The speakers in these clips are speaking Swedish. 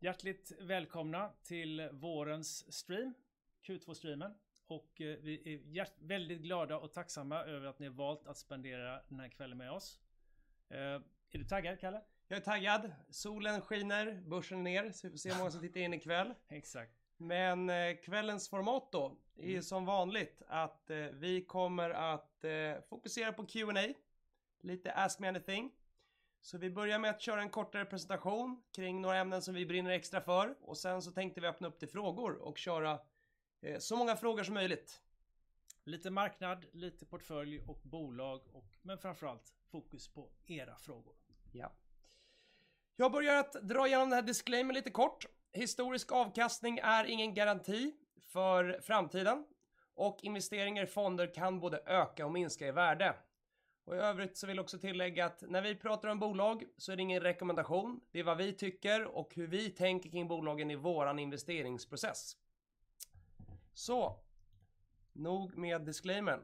Hjärtligt välkomna till vårens stream, Q2-streamen. Vi är väldigt glada och tacksamma över att ni har valt att spendera den här kvällen med oss. Är du taggad, Kalle? Jag är taggad. Solen skiner, börsen är ner. Får vi se hur många som tittar in i kväll. Exakt. Kvällens format då är som vanligt att vi kommer att fokusera på Q&A, lite ask me anything. Vi börjar med att köra en kortare presentation kring några ämnen som vi brinner extra för och sen så tänkte vi öppna upp till frågor och köra, så många frågor som möjligt. Lite marknad, lite portfölj och bolag och, men framför allt fokus på era frågor. Ja. Jag börjar med att dra igenom den här disclaimern lite kort. Historisk avkastning är ingen garanti för framtiden och investeringar i fonder kan både öka och minska i värde. I övrigt så vill jag också tillägga att när vi pratar om bolag så är det ingen rekommendation. Det är vad vi tycker och hur vi tänker kring bolagen i vår investeringsprocess. Nog med disclaimern.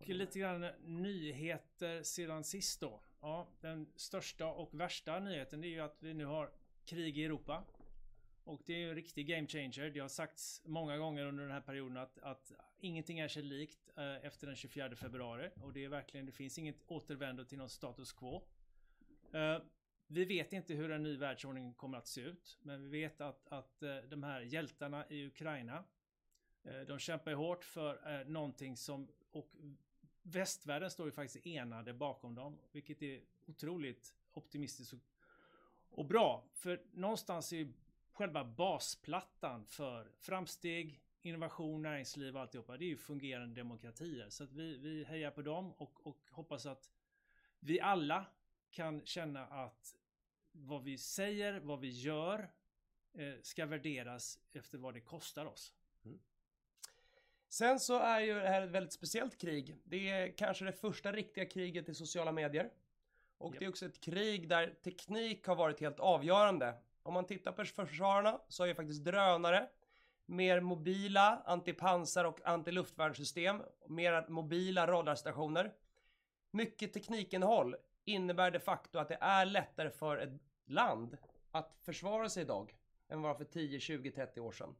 Lite grann nyheter sedan sist då. Ja, den största och värsta nyheten det är ju att vi nu har krig i Europa och det är ju en riktig game changer. Det har sagts många gånger under den här perioden att ingenting är sig likt efter den 24 februari. Det är verkligen, det finns inget återvändo till någon status quo. Vi vet inte hur en ny världsordning kommer att se ut, men vi vet att de här hjältarna i Ukraina de kämpar ju hårt för någonting som. Västvärlden står ju faktiskt enade bakom dem, vilket är otroligt optimistiskt och bra. För någonstans är ju själva basplattan för framsteg, innovation, näringsliv, alltihopa, det är ju fungerande demokratier. Att vi hejar på dem och hoppas att vi alla kan känna att vad vi säger, vad vi gör, ska värderas efter vad det kostar oss. Sen så är ju det här ett väldigt speciellt krig. Det är kanske det första riktiga kriget i sociala medier och det är också ett krig där teknik har varit helt avgörande. Om man tittar på försvararna så har ju faktiskt drönare mer mobila antipansar- och antiluftvärnssystem, mer mobila radarstationer. Mycket teknikinnehåll innebär de facto att det är lättare för ett land att försvara sig i dag än bara för 10, 20, 30 år sen.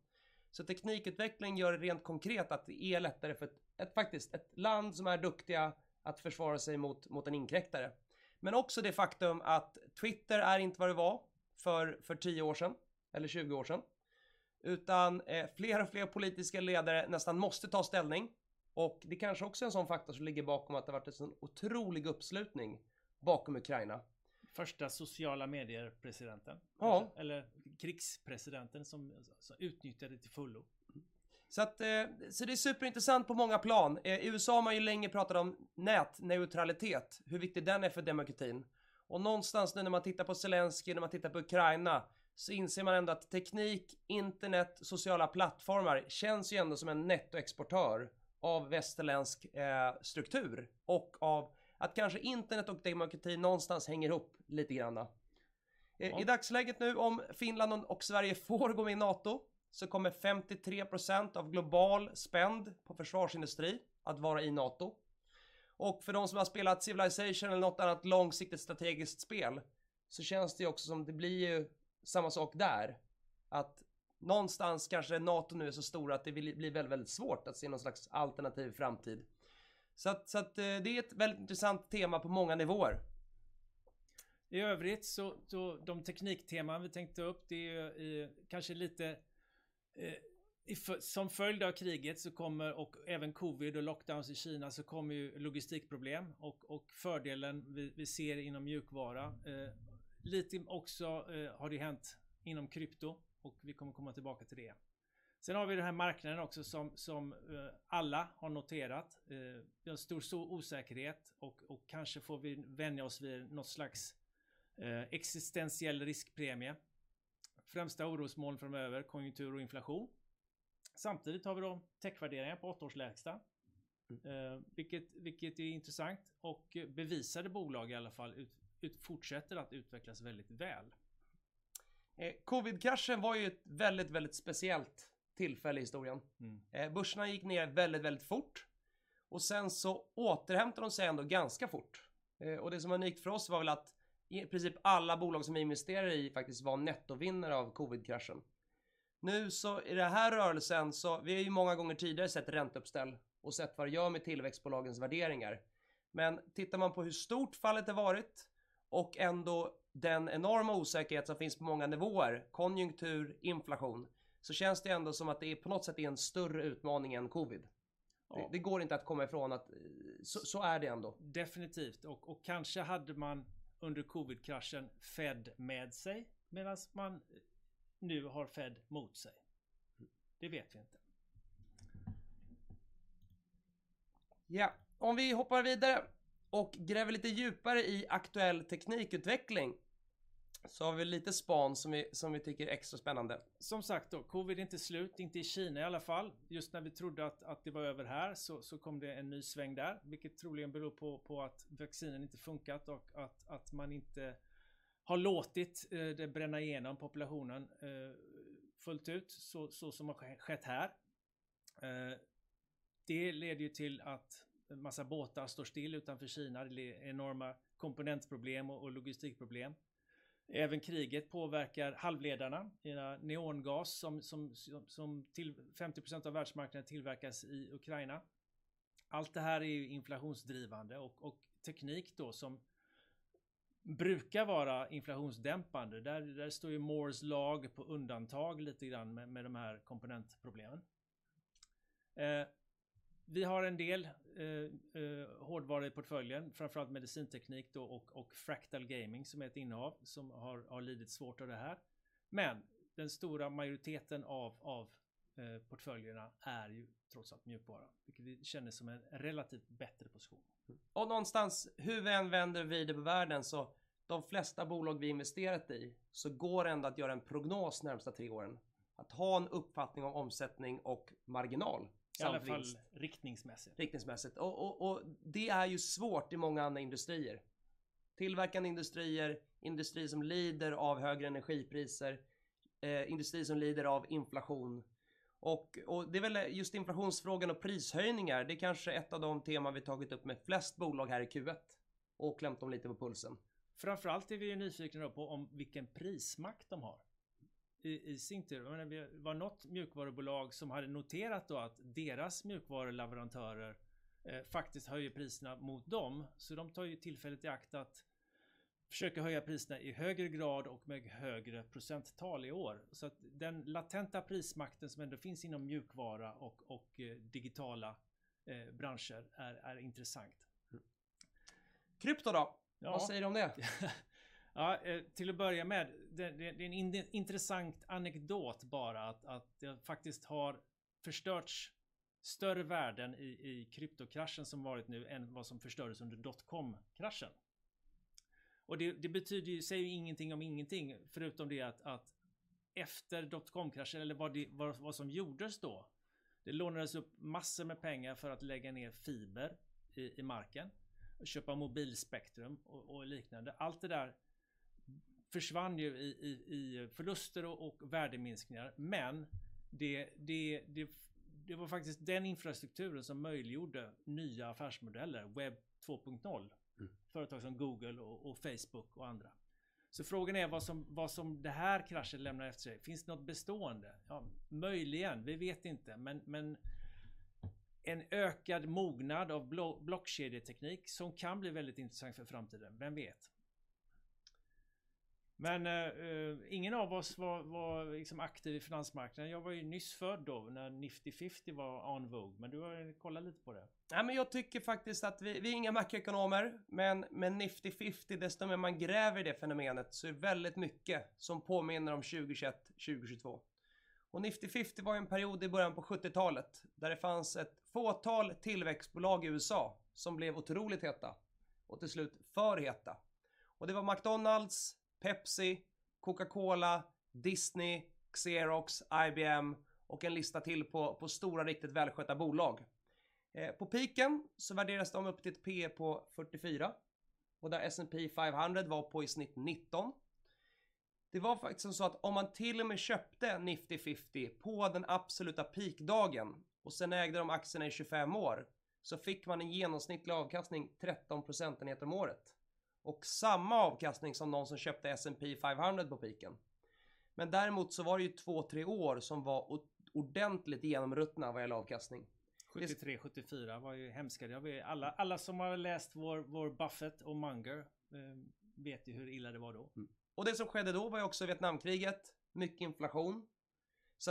Teknikutveckling gör det rent konkret att det är lättare för ett land som är duktiga att försvara sig mot en inkräktare. Men också det faktum att Twitter är inte vad det var för 10 år sen eller 20 år sen. Utan fler och fler politiska ledare nästan måste ta ställning. Det kanske också är en sådan fakta som ligger bakom att det har varit en sån otrolig uppslutning bakom Ukraina. Första sociala medier-presidenten. Ja. Krigspresidenten som utnyttjar det till fullo. Det är superintressant på många plan. USA har man ju länge pratat om nätneutralitet, hur viktig den är för demokratin. Någonstans nu när man tittar på Zelenskyj, när man tittar på Ukraina, så inser man ändå att teknik, internet, sociala plattformar känns ju ändå som en nettoexportör av västerländsk struktur och av att kanske internet och demokrati någonstans hänger ihop lite grann. I dagsläget nu, om Finland och Sverige får gå med i NATO, så kommer 53% av global spend på försvarsindustri att vara i NATO. För de som har spelat Civilization eller något annat långsiktigt strategiskt spel, så känns det ju också som det blir ju samma sak där. Att någonstans kanske NATO nu är så stora att det blir väldigt svårt att se någon slags alternativ framtid. Det är ett väldigt intressant tema på många nivåer. I övrigt, då de teknikteman vi tänkte upp, det är ju kanske lite som följd av kriget så kommer, och även covid och lockdowns i Kina, så kommer ju logistikproblem och fördelen vi ser inom mjukvara. Lite också har det hänt inom krypto och vi kommer komma tillbaka till det. Vi har den här marknaden också som alla har noterat. Det är en stor osäkerhet och kanske får vi vänja oss vid något slags existentiell riskpremie. Främsta orosmoln framöver, konjunktur och inflation. Samtidigt har vi då tech-värderingar på 8-årslägsta, vilket är intressant och bevisade bolag i alla fall fortsätter att utvecklas väldigt väl. COVID-kraschen var ju ett väldigt speciellt tillfälle i historien. Mm. Börserna gick ner väldigt fort och sen så återhämtade de sig ändå ganska fort. Det som var unikt för oss var väl att i princip alla bolag som vi investerade i faktiskt var nettovinnare av COVID-kraschen. Nu så i den här rörelsen, så vi har ju många gånger tidigare sett räntehöjningar och sett vad det gör med tillväxtbolagens värderingar. Tittar man på hur stort fallet har varit och ändå den enorma osäkerhet som finns på många nivåer, konjunktur, inflation, så känns det ändå som att det på något sätt är en större utmaning än COVID. Ja. Det går inte att komma ifrån att så är det ändå. Definitivt och kanske hade man under COVID-kraschen Fed med sig medan man nu har Fed mot sig. Det vet vi inte. Ja, om vi hoppar vidare och gräver lite djupare i aktuell teknikutveckling så har vi lite span som vi tycker är extra spännande. Som sagt då, covid är inte slut, inte i Kina i alla fall. Just när vi trodde att det var över här så kom det en ny sväng där, vilket troligen beror på att vaccinen inte funkat och att man inte har låtit det bränna igenom populationen, fullt ut. Som har skett här. Det leder ju till att en massa båtar står still utanför Kina. Det blir enorma komponentproblem och logistikproblem. Även kriget påverkar halvledarna, neongas som till 50% av världsmarknaden tillverkas i Ukraina. Allt det här är ju inflationsdrivande och teknik då som brukar vara inflationsdämpande. Där står ju Moore's Law på undantag lite grann med de här komponentproblemen. Vi har en del hårdvara i portföljen, framför allt medicinteknik då och Fractal Design som är ett innehav som har lidit svårt av det här. Den stora majoriteten av portföljerna är ju trots allt mjukvara, vilket vi känner som en relativt bättre position. Någonstans, hur vi än vänder och vrider på världen, så de flesta bolag vi investerat i så går det ändå att göra en prognos närmaste tre åren. Att ha en uppfattning om omsättning och marginal. I alla fall riktningsmässigt. Riktningsmässigt. Det är ju svårt i många andra industrier. Tillverkande industrier som lider av högre energipriser, industrier som lider av inflation. Det är väl just inflationsfrågan och prishöjningar. Det är kanske ett av de teman vi tagit upp med flest bolag här i Q1 och klämt dem lite på pulsen. Framför allt är vi ju nyfikna då på om vilken prismakt de har i sin tur. Det var något mjukvarubolag som hade noterat då att deras mjukvaruleverantörer faktiskt höjer priserna mot dem. De tar ju tillfället i akt att försöka höja priserna i högre grad och med högre procenttal i år. Att den latenta prismakten som ändå finns inom mjukvara och digitala branscher är intressant. Krypto då? Vad säger du om det? Ja, till att börja med, det är en intressant anekdot bara att det faktiskt har förstörts större värden i kryptokraschen som varit nu än vad som förstördes under dotcom-kraschen. Det betyder ju, säger ju ingenting om ingenting förutom det att efter dotcom-kraschen eller vad som gjordes då, det lånades upp massor med pengar för att lägga ner fiber i marken och köpa mobilspektrum och liknande. Allt det där försvann ju i förluster och värdeminskningar. Det var faktiskt den infrastrukturen som möjliggjorde nya affärsmodeller, Web 2.0, företag som Google och Facebook och andra. Frågan är vad det här kraschen lämnar efter sig. Finns det något bestående? Ja, möjligen, vi vet inte. En ökad mognad av blockkedjeteknik som kan bli väldigt intressant för framtiden. Vem vet? Ingen av oss var liksom aktiv i finansmarknaden. Jag var ju nyss född då när Nifty Fifty var en vogue, men du har kollat lite på det. Nej, men jag tycker faktiskt att vi är inga makroekonomer, men Nifty Fifty, desto mer man gräver i det fenomenet så är väldigt mycket som påminner om 2021, 2022. Nifty Fifty var en period i början på 70-talet där det fanns ett fåtal tillväxtbolag i USA som blev otroligt heta och till slut för heta. Det var McDonald's, Pepsi, Coca-Cola, Disney, Xerox, IBM och en lista till på stora, riktigt välskötta bolag. På peaken så värderades de upp till ett P/E på 44 och där S&P 500 var på i snitt 19. Det var faktiskt så att om man till och med köpte Nifty Fifty på den absoluta peakdagen och sen ägde de aktierna i 25 år, så fick man en genomsnittlig avkastning 13 procentenheter om året. Samma avkastning som någon som köpte S&P 500 på peaken. Däremot så var det ju två, tre år som var oordentligt genomruttna vad gäller avkastning. 73, 74 var ju hemska. Alla som har läst vår Buffett och Munger vet ju hur illa det var då. Det som skedde då var ju också Vietnamkriget, mycket inflation.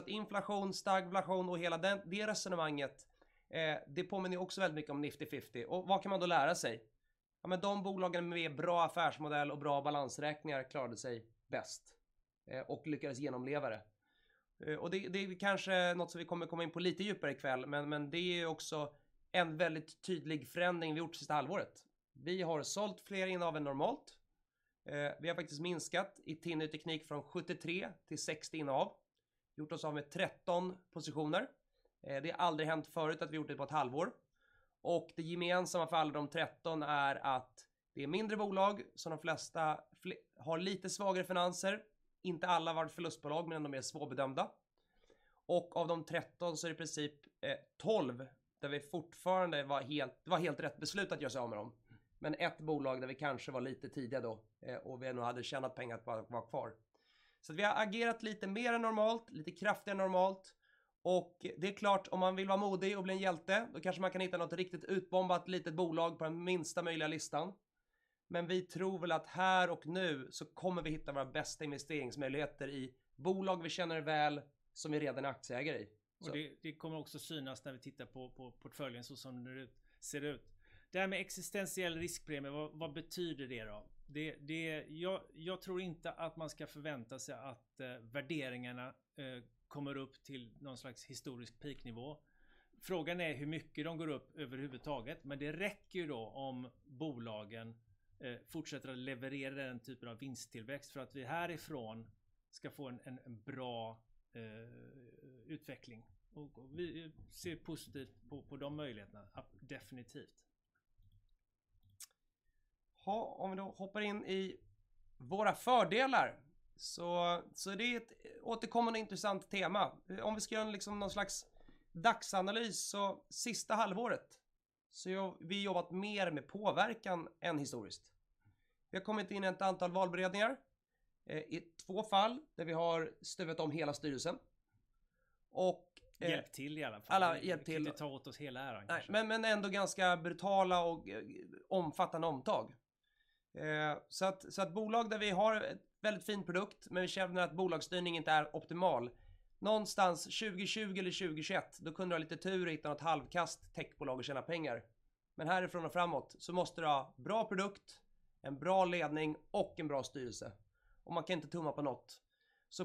Inflation, stagflation och hela den, det resonemanget, det påminner också väldigt mycket om Nifty Fifty. Vad kan man då lära sig? Ja, men de bolagen med bra affärsmodell och bra balansräkningar klarade sig bäst, och lyckades genomleva det. Det är kanske något som vi kommer in på lite djupare i kväll, men det är också en väldigt tydlig förändring vi gjort sista halvåret. Vi har sålt fler innehav än normalt. Vi har faktiskt minskat i TIN Ny Teknik från 73 till 60 innehav. Gjort oss av med 13 positioner. Det har aldrig hänt förut att vi gjort det på ett halvår. Det gemensamma för alla de 13 är att det är mindre bolag som de flesta har lite svagare finanser. Inte alla har varit förlustbolag, men de är svårbedömda. Av de 13 så är det i princip, 12 där vi fortfarande var helt, det var helt rätt beslut att göra sig av med dem. Ett bolag där vi kanske var lite tidiga då, och vi nog hade tjänat pengar på att vara kvar. Vi har agerat lite mer än normalt, lite kraftigare än normalt. Det är klart, om man vill vara modig och bli en hjälte, då kanske man kan hitta något riktigt utbombat litet bolag på den minsta möjliga listan. Vi tror väl att här och nu så kommer vi hitta våra bästa investeringsmöjligheter i bolag vi känner väl, som vi redan är aktieägare i. Det kommer också synas när vi tittar på portföljen så som den ser ut. Det här med existentiell riskpremie, vad betyder det då? Det jag tror inte att man ska förvänta sig att värderingarna kommer upp till någon slags historisk peaknivå. Frågan är hur mycket de går upp överhuvudtaget, men det räcker ju då om bolagen fortsätter att leverera den typen av vinsttillväxt för att vi härifrån ska få en bra utveckling. Vi ser positivt på de möjligheterna, absolut, definitivt. Jaha, om vi då hoppar in i våra fördelar så är det ett återkommande intressant tema. Om vi ska göra liksom någon slags dagsanalys så sista halvåret så har vi jobbat mer med påverkan än historiskt. Vi har kommit in i ett antal valberedningar i 2 fall där vi har stuvit om hela styrelsen. Hjälpt till i alla fall. Alla hjälpt till. Vi ska inte ta åt oss hela äran kanske. Nej, men ändå ganska brutala och omfattande omtag. Så att bolag där vi har en väldigt fin produkt, men vi känner att bolagsstyrningen inte är optimal. Någonstans 2020 eller 2021, då kunde du ha lite tur och hitta något halvkasst techbolag och tjäna pengar. Härifrån och framåt så måste du ha bra produkt, en bra ledning och en bra styrelse. Man kan inte tumma på något.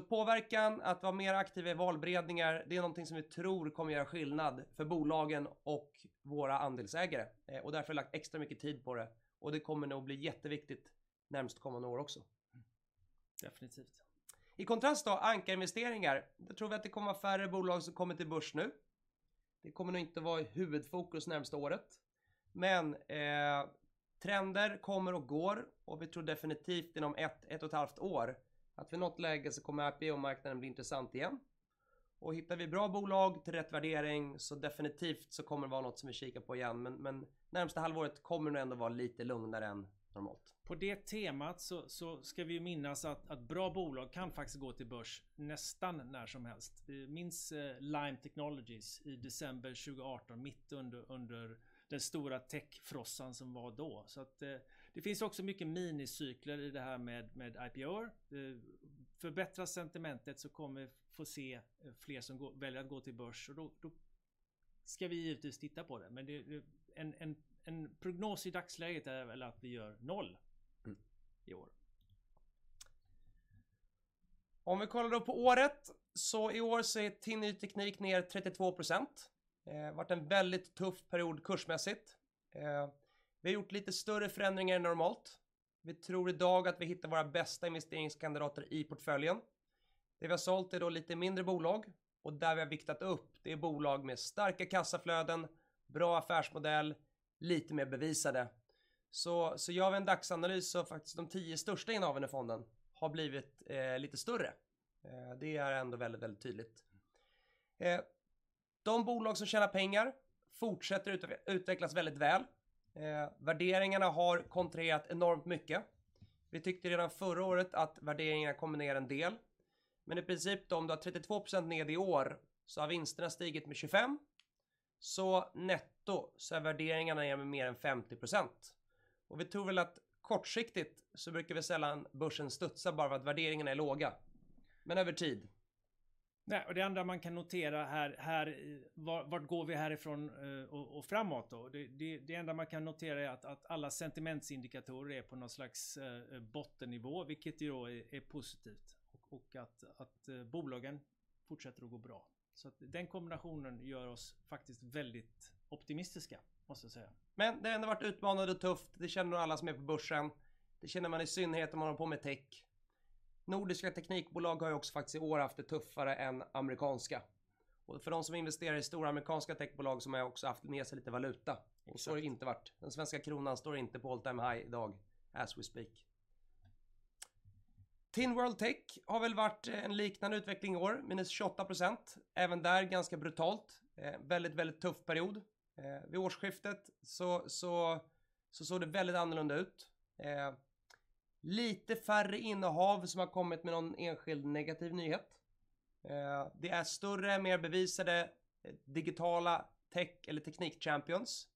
Påverkan, att vara mer aktiva i valberedningar, det är någonting som vi tror kommer göra skillnad för bolagen och våra andelsägare. Därför har vi lagt extra mycket tid på det och det kommer nog bli jätteviktigt närmast kommande år också. Definitivt. I kontrast då, ankarinvesteringar. Det tror vi att det kommer vara färre bolag som kommer till börs nu. Det kommer nog inte vara i huvudfokus närmsta året. Men, trender kommer och går och vi tror definitivt inom ett och ett halvt år att vid något läge så kommer IPO-marknaden bli intressant igen. Och hittar vi bra bolag till rätt värdering så definitivt så kommer det vara något som vi kikar på igen. Men närmsta halvåret kommer nog ändå vara lite lugnare än normalt. På det temat så ska vi ju minnas att bra bolag kan faktiskt gå till börs nästan när som helst. Minns Lime Technologies i december 2018, mitt under den stora techfrossan som var då. Det finns också mycket minicykler i det här med IPOer. Förbättras sentimentet så kommer vi få se fler som går, väljer att gå till börs och då ska vi givetvis titta på det. En prognos i dagsläget är väl att vi gör noll i år. Om vi kollar då på året, så i år är TIN Ny Teknik ner 32%. Varit en väldigt tuff period kursmässigt. Vi har gjort lite större förändringar än normalt. Vi tror idag att vi hittar våra bästa investeringskandidater i portföljen. Det vi har sålt är då lite mindre bolag och där vi har viktat upp, det är bolag med starka kassaflöden, bra affärsmodell, lite mer bevisade. Så gör vi en daglig analys så har faktiskt de 10 största innehaven i fonden blivit lite större. Det är ändå väldigt tydligt. De bolag som tjänar pengar fortsätter utvecklas väldigt väl. Värderingarna har kontrakterat enormt mycket. Vi tyckte redan förra året att värderingarna kom ner en del, men i princip då om du har 32% ner i år så har vinsterna stigit med 25%. Netto så är värderingarna ner mer än 50%. Vi tror väl att kortsiktigt så brukar väl sällan börsen studsa bara för att värderingarna är låga. Över tid. Nej, och det enda man kan notera här, vart går vi härifrån och framåt då? Det enda man kan notera är att alla sentimentsindikatorer är på något slags bottennivå, vilket ju då är positivt och att bolagen fortsätter att gå bra. Att den kombinationen gör oss faktiskt väldigt optimistiska måste jag säga. Det har ändå varit utmanande och tufft. Det känner nog alla som är på börsen. Det känner man i synnerhet om man håller på med tech. Nordiska teknikbolag har ju också faktiskt i år haft det tuffare än amerikanska. För de som investerar i stora amerikanska techbolag som har också haft med sig lite valuta. Har det inte varit. Den svenska kronan står inte på all-time high i dag, as we speak. TIN World Tech har väl varit en liknande utveckling i år, minus 28%. Även där ganska brutalt. Väldigt tuff period. Vid årsskiftet så såg det väldigt annorlunda ut. Lite färre innehav som har kommit med någon enskild negativ nyhet. Det är större, mer bevisade digitala tech eller teknikchampions.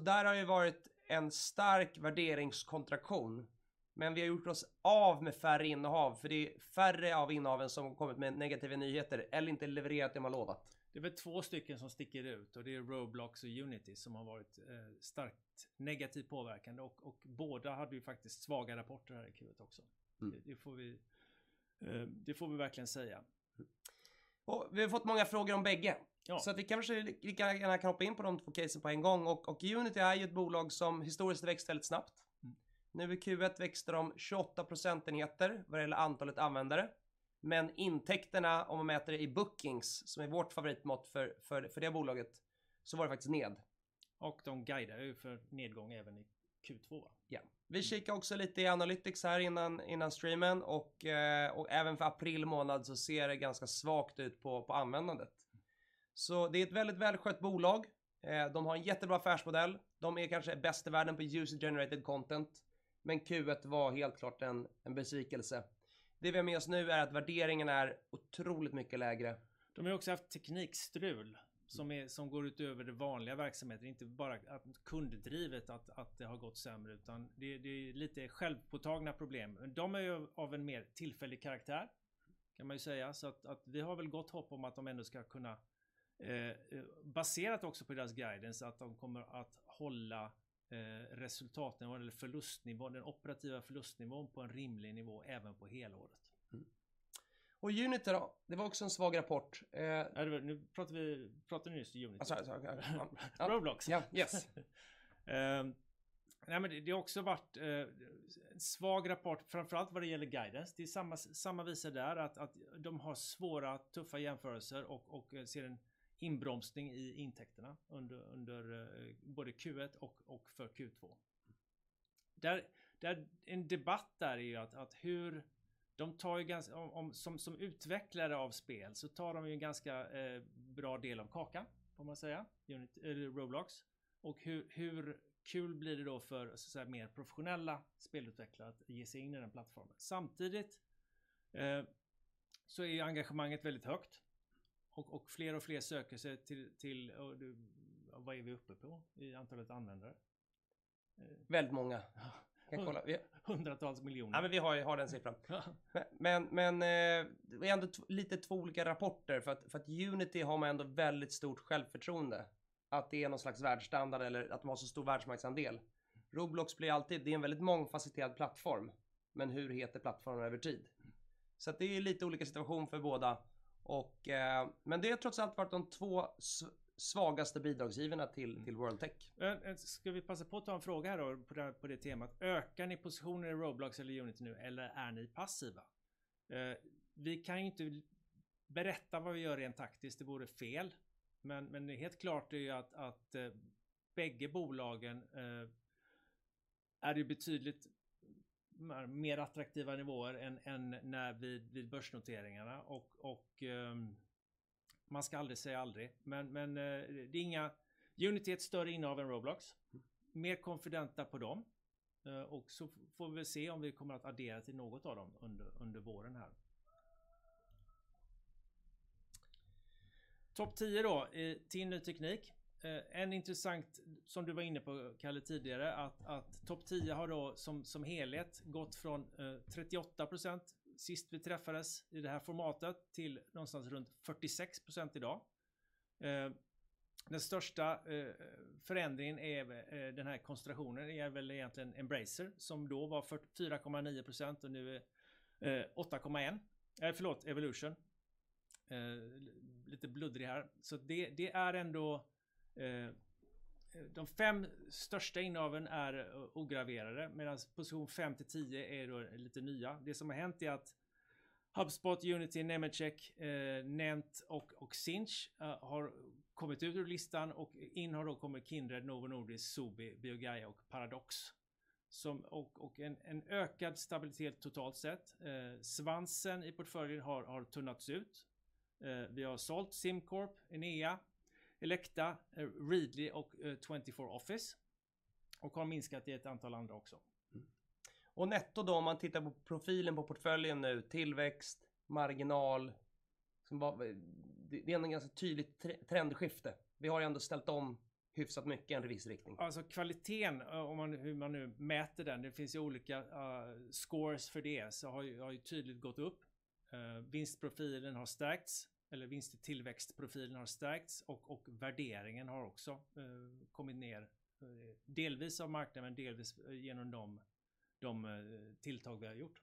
Där har ju varit en stark värderingskontraktion, men vi har gjort oss av med färre innehav för det är färre av innehaven som kommit med negativa nyheter eller inte levererat det man lovat. Det är väl två stycken som sticker ut och det är Roblox och Unity som har varit starkt negativt påverkande och båda hade ju faktiskt svaga rapporter här i Q1 också. Det får vi verkligen säga. Vi har fått många frågor om bägge. Ja. Vi kan gärna hoppa in på de 2 casen på en gång. Unity är ju ett bolag som historiskt har växt väldigt snabbt. Nu i Q1 växte de 28 procentenheter vad det gäller antalet användare. Men intäkterna, om man mäter det i bookings, som är vårt favoritmått för det bolaget, så var det faktiskt ned. De guidade ju för nedgång även i Q2 va? Ja. Vi kikar också lite i analytics här innan streamen och även för april månad så ser det ganska svagt ut på användandet. Så det är ett väldigt välskött bolag. De har en jättebra affärsmodell. De är kanske bäst i världen på user generated content, men Q1 var helt klart en besvikelse. Det vi har med oss nu är att värderingen är otroligt mycket lägre. De har också haft teknikstrul som går utöver det vanliga verksamheten, inte bara att kunddrivet att det har gått sämre, utan det är lite självpåtagna problem. De är ju av en mer tillfällig karaktär kan man ju säga. Vi har väl gott hopp om att de ändå ska kunna, baserat också på deras guidance, att de kommer att hålla resultaten vad det gäller förlustnivån, den operativa förlustnivån på en rimlig nivå även på helåret. Unity då? Det var också en svag rapport. Nu pratar vi nyss om Unity. Alltså, ja. Roblox. Yes. Nej, men det har också varit svag rapport, framför allt vad det gäller guidance. Det är samma visa där att de har svåra, tuffa jämförelser och ser en inbromsning i intäkterna under både Q1 och för Q2. Där är ju en debatt att hur de tar ju som utvecklare av spel så tar de ju en ganska bra del av kakan får man säga, Unity eller Roblox. Hur kul blir det då för så att säga mer professionella spelutvecklare att ge sig in i den plattformen? Samtidigt är ju engagemanget väldigt högt och fler och fler söker sig till vad är vi uppe på i antalet användare? Väldigt många. Ja. Kan kolla. Hundratals miljoner SEK. Ja, men vi har ju den siffran. Ja. Men, det är ändå två lite olika rapporter. För att Unity har man ändå väldigt stort självförtroende att det är nån slags världsstandard eller att de har så stor världsmarknadsandel. Roblox blir alltid, det är en väldigt mångfacetterad plattform. Men hur håller plattformen över tid? Så att det är ju lite olika situation för båda. Det har trots allt varit de två svagaste bidragsgivarna till World Tech. Ska vi passa på att ta en fråga här då på det temat? Ökar ni positioner i Roblox eller Unity nu? Eller är ni passiva? Vi kan ju inte berätta vad vi gör rent taktiskt. Det vore fel. Det är helt klart att bägge bolagen är betydligt mer attraktiva nivåer än när vi vid börsnoteringarna. Man ska aldrig säga aldrig. Unity är ett större innehav än Roblox. Mer konfidenta på dem. Så får vi väl se om vi kommer att addera till något av dem under våren här. Topp tio då, TIN Ny Teknik. En intressant, som du var inne på Kalle tidigare, att topp 10 har då som helhet gått från 38% sist vi träffades i det här formatet till nånstans runt 46% idag. Den största förändringen är den här konstellationen är väl egentligen Embracer som då var 44.9% och nu är 8.1%. Förlåt, Evolution. Lite bluddrig här. Så det är ändå de fem största innehaven är oförändrade medan position 5 till 10 är då lite nya. Det som har hänt är att HubSpot, Unity, Nemetschek, NENT och Sinch har kommit ut ur listan och in har då kommit Kindred, Novo Nordisk, Sobi, BioGaia och Paradox. Och en ökad stabilitet totalt sett. Svansen i portföljen har tunnats ut. Vi har sålt SimCorp, Enea, Elekta, Readly och 24SevenOffice och har minskat i ett antal andra också. Netto då om man tittar på profilen på portföljen nu, tillväxt, marginal. Det är ändå ett ganska tydligt trendskifte. Vi har ändå ställt om hyfsat mycket i en viss riktning. Alltså kvaliteten, om man, hur man nu mäter den, det finns ju olika scores för det, så har ju tydligt gått upp. Vinstprofilen har stärkts eller vinsttillväxtprofilen har stärkts och värderingen har också kommit ner, delvis av marknaden, men delvis genom de tilltag vi har gjort.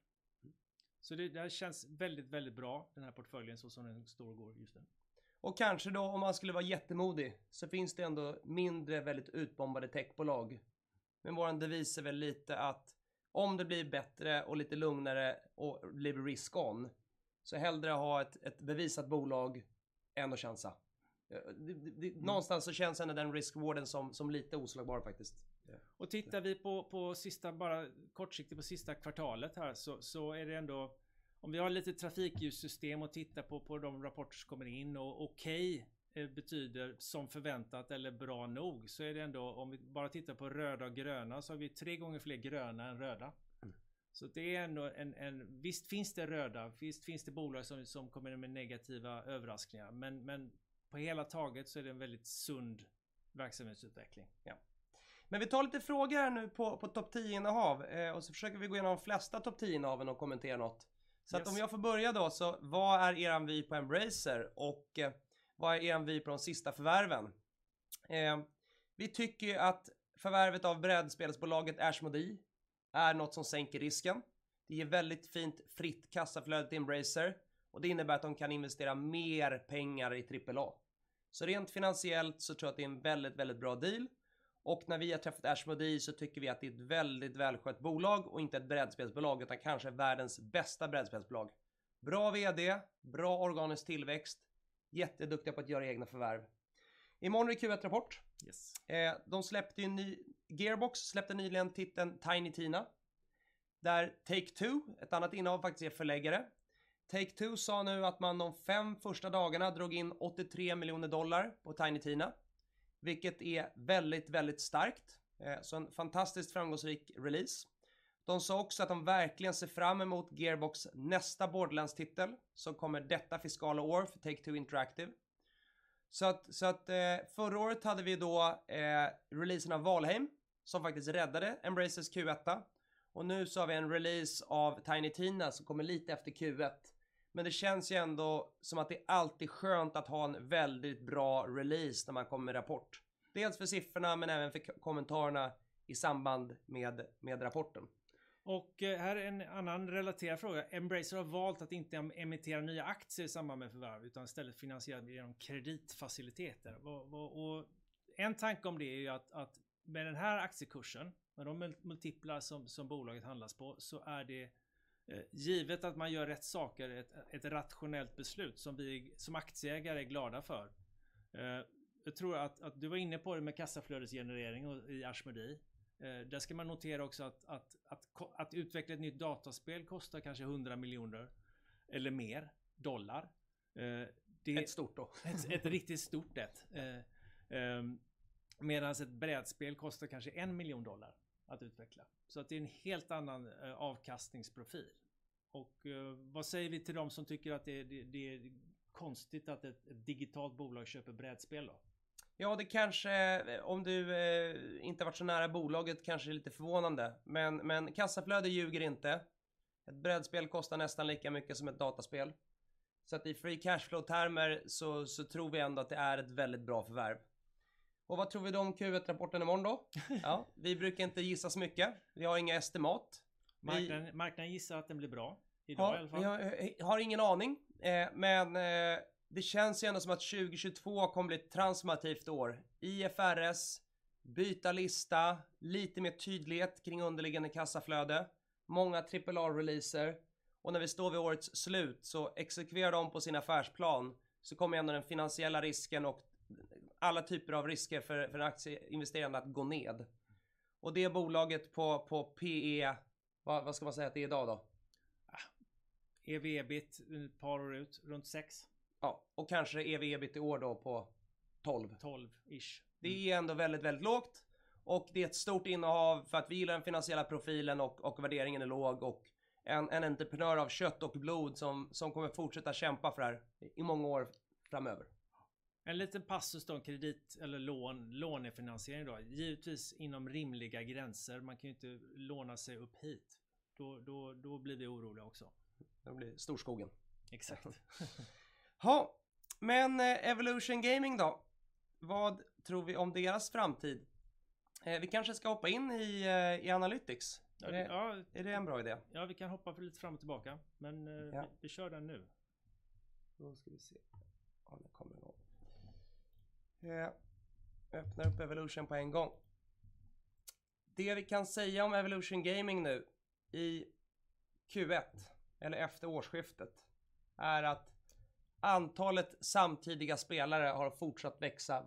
Mm. Det här känns väldigt bra den här portföljen så som den står och går just nu. Kanske då om man skulle vara jättemodig så finns det ändå mindre väldigt utbombade techbolag. Men vår devis är väl lite att om det blir bättre och lite lugnare och blir risk on, så hellre ha ett bevisat bolag än att chansa. Då nånstans så känns ändå den risk/rewarden som lite oslagbar faktiskt. Tittar vi på bara kortsiktigt på sista kvartalet här, så är det ändå, om vi har lite trafikljussystem och tittar på de rapporter som kommer in och okej betyder som förväntat eller bra nog, så är det ändå om vi bara tittar på röda och gröna så har vi 3 gånger fler gröna än röda. Mm. Det är ändå en visst finns det bolag som kommer med negativa överraskningar, men på hela taget så är det en väldigt sund verksamhetsutveckling. Ja. Men vi tar lite frågor här nu på topp 10 innehav, och så försöker vi gå igenom de flesta topp 10 innehaven och kommentera något. Yes. Om jag får börja då. Vad är er vy på Embracer och vad är er vy på de sista förvärven? Vi tycker ju att förvärvet av brädspelsbolaget Asmodee är något som sänker risken. Det ger väldigt fint fritt kassaflöde till Embracer och det innebär att de kan investera mer pengar i trippel A. Rent finansiellt så tror jag att det är en väldigt bra deal. När vi har träffat Asmodee så tycker vi att det är ett väldigt välskött bolag och inte ett brädspelsbolag, utan kanske världens bästa brädspelsbolag. Bra VD, bra organisk tillväxt, jätteduktiga på att göra egna förvärv. Imorgon är Q1-rapport. Yes. De släppte en ny, Gearbox släppte nyligen titeln Tiny Tina, där Take-Two, ett annat innehav faktiskt, är förläggare. Take-Two sa nu att man de 5 första dagarna drog in $83 million på Tiny Tina, vilket är väldigt starkt. Så en fantastiskt framgångsrik release. De sa också att de verkligen ser fram emot Gearbox nästa Borderlands-titel som kommer detta fiskalår för Take-Two Interactive. Så att förra året hade vi releasen av Valheim som faktiskt räddade Embracer's Q1. Nu har vi en release av Tiny Tina som kommer lite efter Q1. Det känns ju ändå som att det är alltid skönt att ha en väldigt bra release när man kommer med rapport. Dels för siffrorna men även för kommentarerna i samband med rapporten. Här är en annan relaterad fråga: Embracer har valt att inte emittera nya aktier i samband med förvärv utan istället finansiera det genom kreditfaciliteter. Vad, och en tanke om det är ju att med den här aktiekursen, med de multiplar som bolaget handlas på, så är det givet att man gör rätt saker, ett rationellt beslut som vi, som aktieägare är glada för. Jag tror att du var inne på det med kassaflödesgenerering i Asmodee. Där ska man notera också att utveckla ett nytt dataspel kostar kanske $100 million eller mer. Det Ett stort då. Ett riktigt stort ett. Medan ett brädspel kostar kanske $1 million att utveckla. Det är en helt annan avkastningsprofil. Vad säger vi till dem som tycker att det är konstigt att ett digitalt bolag köper brädspel då? Ja, det kanske, om du, inte har varit så nära bolaget kanske är lite förvånande. Kassaflöde ljuger inte. Ett brädspel kostar nästan lika mycket som ett dataspel. I free cash flow-termer tror vi ändå att det är ett väldigt bra förvärv. Vad tror vi om Q1-rapporten imorgon då? Ja, vi brukar inte gissa så mycket. Vi har inga estimat. Marknaden, marknaden gissar att den blir bra. Idag i alla fall. Ja, jag har ingen aning. Det känns ju ändå som att 2022 kommer bli ett transformativt år. IFRS, byta lista, lite mer tydlighet kring underliggande kassaflöde, många trippel-A-releaser. När vi står vid årets slut så exekverar de på sin affärsplan, så kommer ändå den finansiella risken och alla typer av risker för aktieinvesterande att gå ned. Det bolaget på P/E, vad ska man säga att det är i dag då? EV/EBIT ett par år ut, runt 6. Ja, och kanske EV/EBIT i år då på 12. Tolv-ish. Det är ändå väldigt lågt och det är ett stort innehav för att vi gillar den finansiella profilen och värderingen är låg och en entreprenör av kött och blod som kommer fortsätta kämpa för det här i många år framöver. En liten passus då om kredit eller lån, lånefinansiering då. Givetvis inom rimliga gränser. Man kan ju inte låna sig upp hit. Då blir det oroligt också. Då blir det storskogen. Exakt. Jaha, Evolution då. Vad tror vi om deras framtid? Vi kanske ska hoppa in i Analytics. Är det en bra idé? Ja, vi kan hoppa lite fram och tillbaka, men vi kör den nu. Det vi kan säga om Evolution Gaming nu i Q1 eller efter årsskiftet är att antalet samtidiga spelare har fortsatt växa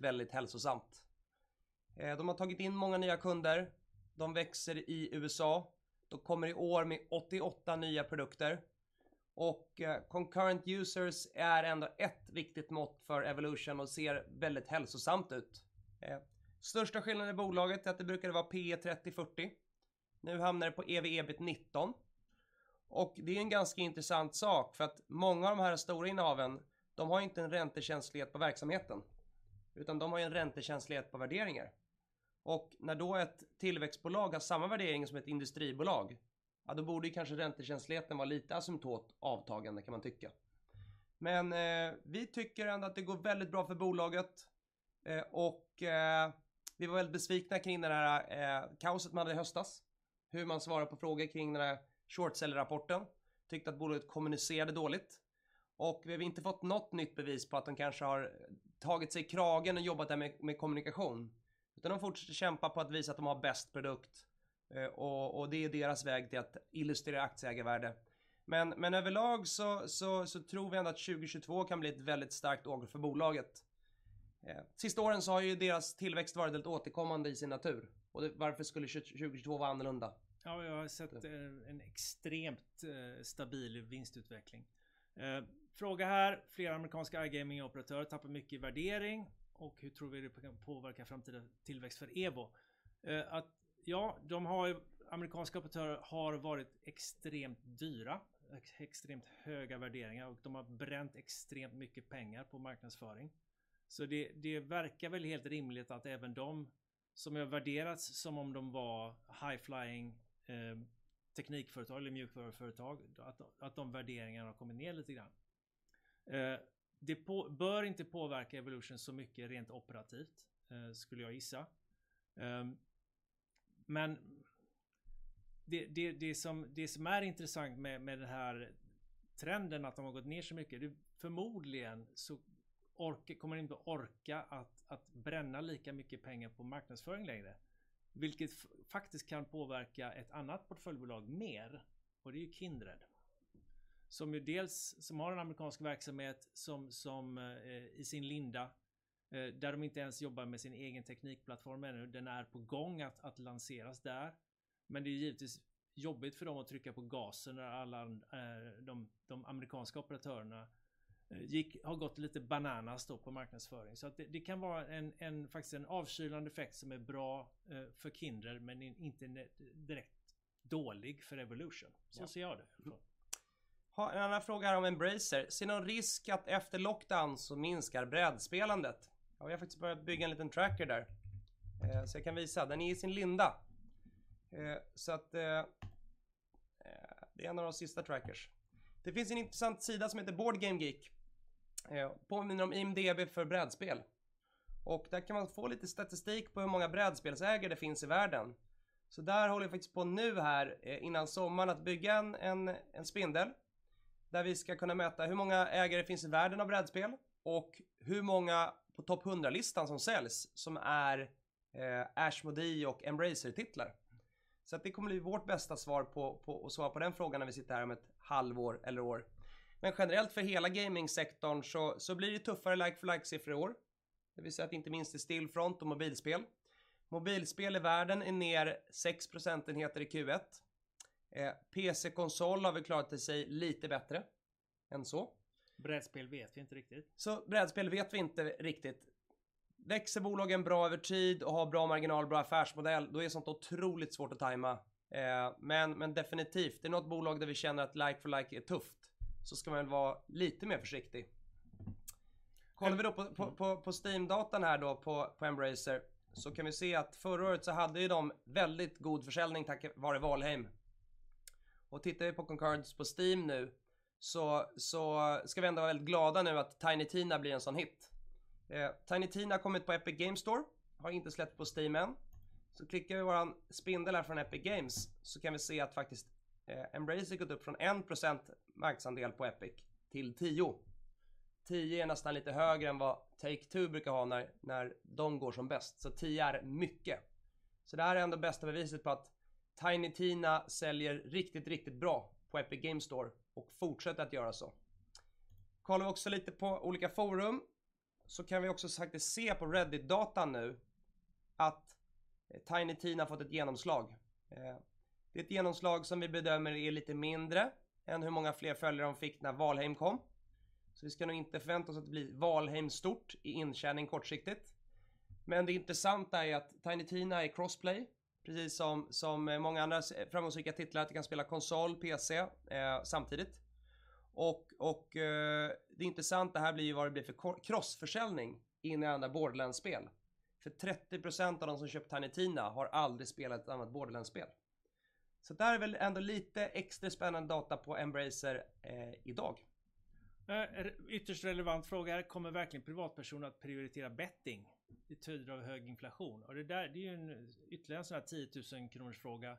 väldigt hälsosamt. De har tagit in många nya kunder. De växer i USA. De kommer i år med 88 nya produkter och concurrent users är ändå ett viktigt mått för Evolution och ser väldigt hälsosamt ut. Största skillnaden i bolaget är att det brukade vara P/E 30, 40. Nu hamnar det på EV/EBIT 19. Och det är en ganska intressant sak för att många av de här stora innehaven, de har inte en räntekänslighet på verksamheten, utan de har ju en räntekänslighet på värderingar. När ett tillväxtbolag har samma värdering som ett industribolag, ja då borde kanske räntekänsligheten vara lite asymptotiskt avtagande kan man tycka. Vi tycker ändå att det går väldigt bra för bolaget, och vi var väldigt besvikna kring det där kaoset man hade i höstas. Hur man svarar på frågor kring den här short seller-rapporten. Tyckte att bolaget kommunicerade dåligt och vi har inte fått något nytt bevis på att de kanske har tagit sig i kragen och jobbat med kommunikation. De fortsätter kämpa på att visa att de har bäst produkt, och det är deras väg till att illustrera aktieägarvärde. Överlag så tror vi ändå att 2022 kan bli ett väldigt starkt år för bolaget. Sista åren så har ju deras tillväxt varit väldigt återkommande i sin natur. Varför skulle 2022 vara annorlunda? Ja, jag har sett en extremt stabil vinstutveckling. Fråga här: Fler amerikanska iGaming-operatörer tappar mycket i värdering och hur tror vi det kan påverka framtida tillväxt för Evo? De har ju, amerikanska operatörer har varit extremt dyra, extremt höga värderingar och de har bränt extremt mycket pengar på marknadsföring. Det verkar väl helt rimligt att även de som har värderats som om de var high flying teknikföretag eller mjukvaruföretag, att de värderingarna har kommit ner lite grann. Det bör inte påverka Evolution så mycket rent operativt, skulle jag gissa. Men det som är intressant med den här trenden att de har gått ner så mycket, förmodligen kommer de inte orka att bränna lika mycket pengar på marknadsföring längre, vilket faktiskt kan påverka ett annat portföljbolag mer. Det är ju Kindred, som ju dels har en amerikansk verksamhet som i sin linda, där de inte ens jobbar med sin egen teknikplattform ännu. Den är på gång att lanseras där. Men det är givetvis jobbigt för dem att trycka på gasen när alla de amerikanska operatörerna har gått lite bananas på marknadsföring. Så det kan vara en faktiskt en avkylande effekt som är bra för Kindred, men inte direkt dålig för Evolution. Så ser jag det i alla fall. En annan fråga om Embracer: Ser ni någon risk att efter lockdown så minskar brädspelandet? Ja, vi har faktiskt börjat bygga en liten tracker där. Så jag kan visa, den är i sin linda. Så att det är en av de sista trackers. Det finns en intressant sida som heter BoardGameGeek. Påminner om IMDb för brädspel. Och där kan man få lite statistik på hur många brädspelsägare det finns i världen. Så där håller vi faktiskt på nu här innan sommaren att bygga en spindel där vi ska kunna mäta hur många ägare det finns i världen av brädspel och hur många på topp 100-listan som säljs som är Asmodee- och Embracer-titlar. Så att det kommer bli vårt bästa svar på att svara på den frågan när vi sitter här om ett halvår eller år. Generellt för hela gamingsektorn så blir det tuffare like for like-siffror i år. Det vill säga inte minst i Stillfront och mobilspel. Mobilspel i världen är ner 6 procentenheter i Q1. PC/konsol har väl klarat sig lite bättre än så. Brädspel vet vi inte riktigt. Brädspel vet vi inte riktigt. Växer bolagen bra över tid och har bra marginal, bra affärsmodell, då är sånt otroligt svårt att tajma. Men definitivt, det är något bolag där vi känner att like for like är tufft. Ska man väl vara lite mer försiktig. Kollar vi då på Steam-datan här på Embracer så kan vi se att förra året så hade ju de väldigt god försäljning tack vare Valheim. Tittar vi på concurrent users på Steam nu så ska vi ändå vara väldigt glada nu att Tiny Tina blir en sådan hit. Tiny Tina har kommit på Epic Games Store, har inte släppts på Steam än. Klickar vi vår spindel här från Epic Games så kan vi se att faktiskt Embracer gått upp från 1% marknadsandel på Epic till 10. 10 är nästan lite högre än vad Take-Two brukar ha när de går som bäst. Tio är mycket. Det här är ändå bästa beviset på att Tiny Tina säljer riktigt bra på Epic Games Store och fortsätter att göra så. Kollar vi också lite på olika forum så kan vi också faktiskt se på Reddit-datan nu att Tiny Tina har fått ett genomslag. Det är ett genomslag som vi bedömer är lite mindre än hur många fler följare de fick när Valheim kom. Vi ska nog inte förvänta oss att det blir Valheim-stort i intjäning kortsiktigt. Men det intressanta är ju att Tiny Tina är cross-play, precis som många andra framgångsrika titlar, att du kan spela konsol, PC, samtidigt. Det intressanta, det här blir ju vad det blir för cross-försäljning in i andra Borderlands-spel. För 30% av de som köpt Tiny Tina har aldrig spelat ett annat Borderlands-spel. Det här är väl ändå lite extra spännande data på Embracer i dag. Ytterst relevant fråga. Kommer verkligen privatpersoner att prioritera betting i tider av hög inflation? Det där, det är ju en ytterligare sån här tiotusen kronorsfråga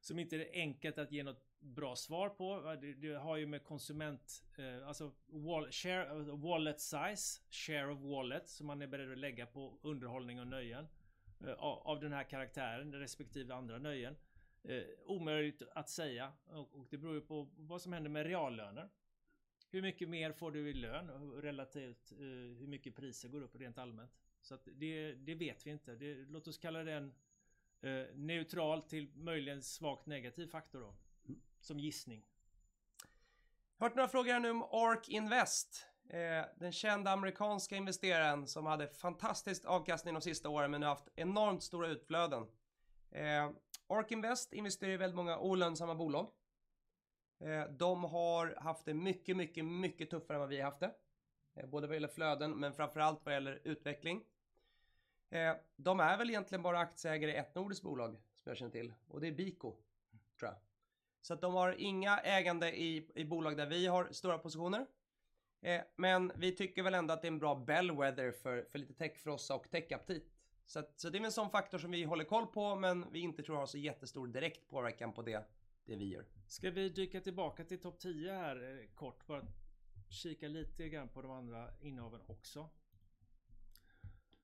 som inte är enkelt att ge något bra svar på. Det har ju med konsument wallet size, share of wallet som man är beredd att lägga på underhållning och nöjen av den här karaktären, respektive andra nöjen. Omöjligt att säga och det beror ju på vad som händer med reallöner. Hur mycket mer får du i lön relativt hur mycket priser går upp rent allmänt? Så att det vet vi inte. Låt oss kalla det en neutral till möjligen svagt negativ faktor då. Som gissning. Hört några frågor här nu om ARK Invest, den kända amerikanska investeraren som hade fantastisk avkastning de sista åren men har haft enormt stora utflöden. ARK Invest investerar i väldigt många olönsamma bolag. De har haft det mycket tuffare än vad vi har haft det. Både vad gäller flöden men framför allt vad gäller utveckling. De är väl egentligen bara aktieägare i ett nordiskt bolag som jag känner till och det är BICO tror jag. Så de har inga ägande i bolag där vi har stora positioner. Men vi tycker väl ändå att det är en bra bellwether för lite techfrossa och techaptit. Så det är väl en sådan faktor som vi håller koll på men vi inte tror har så jättestor direkt påverkan på det vi gör. Ska vi dyka tillbaka till topp tio här kort? Bara kika lite grann på de andra innehaven också.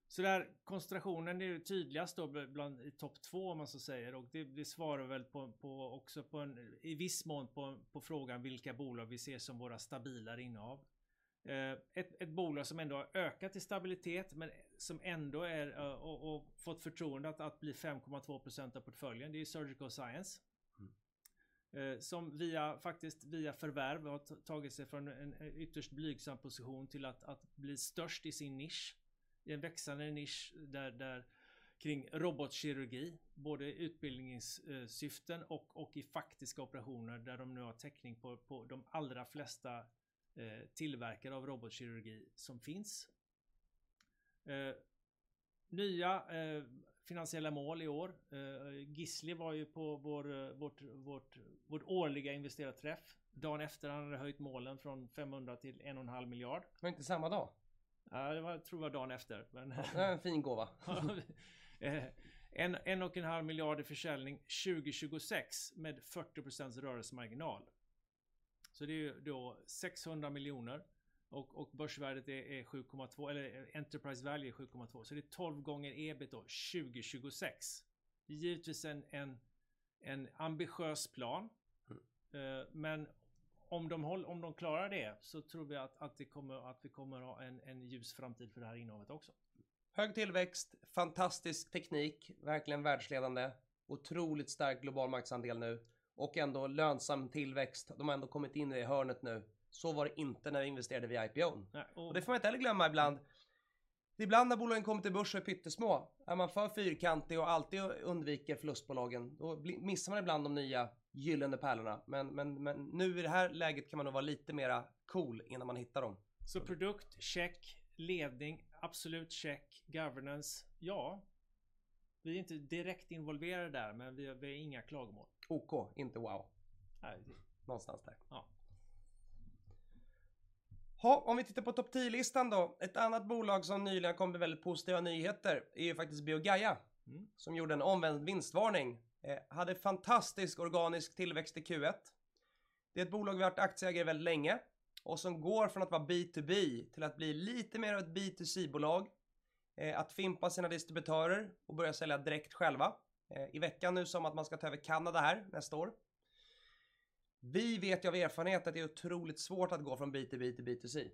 Så där, koncentrationen är ju tydligast då bland, i topp två om man så säger. Det svarar väl på i viss mån på frågan vilka bolag vi ser som våra stabila innehav. Ett bolag som ändå har ökat i stabilitet men som ändå fått förtroende att bli 5.2% av portföljen, det är Surgical Science. Som via faktiskt via förvärv har tagit sig från en ytterst blygsam position till att bli störst i sin nisch. Det är en växande nisch kring robotkirurgi, både i utbildningssyften och i faktiska operationer där de nu har täckning på de allra flesta tillverkare av robotkirurgi som finns. Nya finansiella mål i år. Gisli var ju på vårt årliga investerarträff dagen efter han hade höjt målen från SEK 500 million to SEK 1.5 billion. Var det inte samma dag? Nej, det var, tror det var dagen efter. Det är en fin gåva. SEK 1.5 miljard i försäljning 2026 med 40% rörelsemarginal. Det är SEK 600 miljoner och börsvärdet är 7.2 eller enterprise value 7.2. Det är 12x EBIT då 2026. Det är givetvis en ambitiös plan. Om de klarar det så tror vi att vi kommer ha en ljus framtid för det här innehavet också. Hög tillväxt, fantastisk teknik, verkligen världsledande, otroligt stark global marknadsandel nu och ändå lönsam tillväxt. De har ändå kommit in i det hörnet nu. Var det inte när vi investerade via IPO:n. Det får man inte heller glömma ibland. Ibland när bolagen kommer till börsen är pyttesmå. Är man för fyrkantig och alltid undviker förlustbolagen, då missar man ibland de nya gyllene pärlorna. Nu i det här läget kan man nog vara lite mera cool innan man hittar dem. produkt, check. Ledning, absolut check. Governance, ja. Vi är inte direkt involverade där, men vi har inga klagomål. Okej, inte wow. Nej. Någonstans där. Ja. Jaha, om vi tittar på topp tio-listan då. Ett annat bolag som nyligen kom med väldigt positiva nyheter är ju faktiskt BioGaia- Mm ...som gjorde en omvänd vinstvarning. Hade fantastisk organisk tillväxt i Q1. Det är ett bolag vi har varit aktieägare i väldigt länge och som går från att vara B2B till att bli lite mer av ett B2C-bolag, att fimpa sina distributörer och börja sälja direkt själva. I veckan nu sa man att man ska ta över Kanada här nästa år. Vi vet ju av erfarenhet att det är otroligt svårt att gå från B2B till B2C.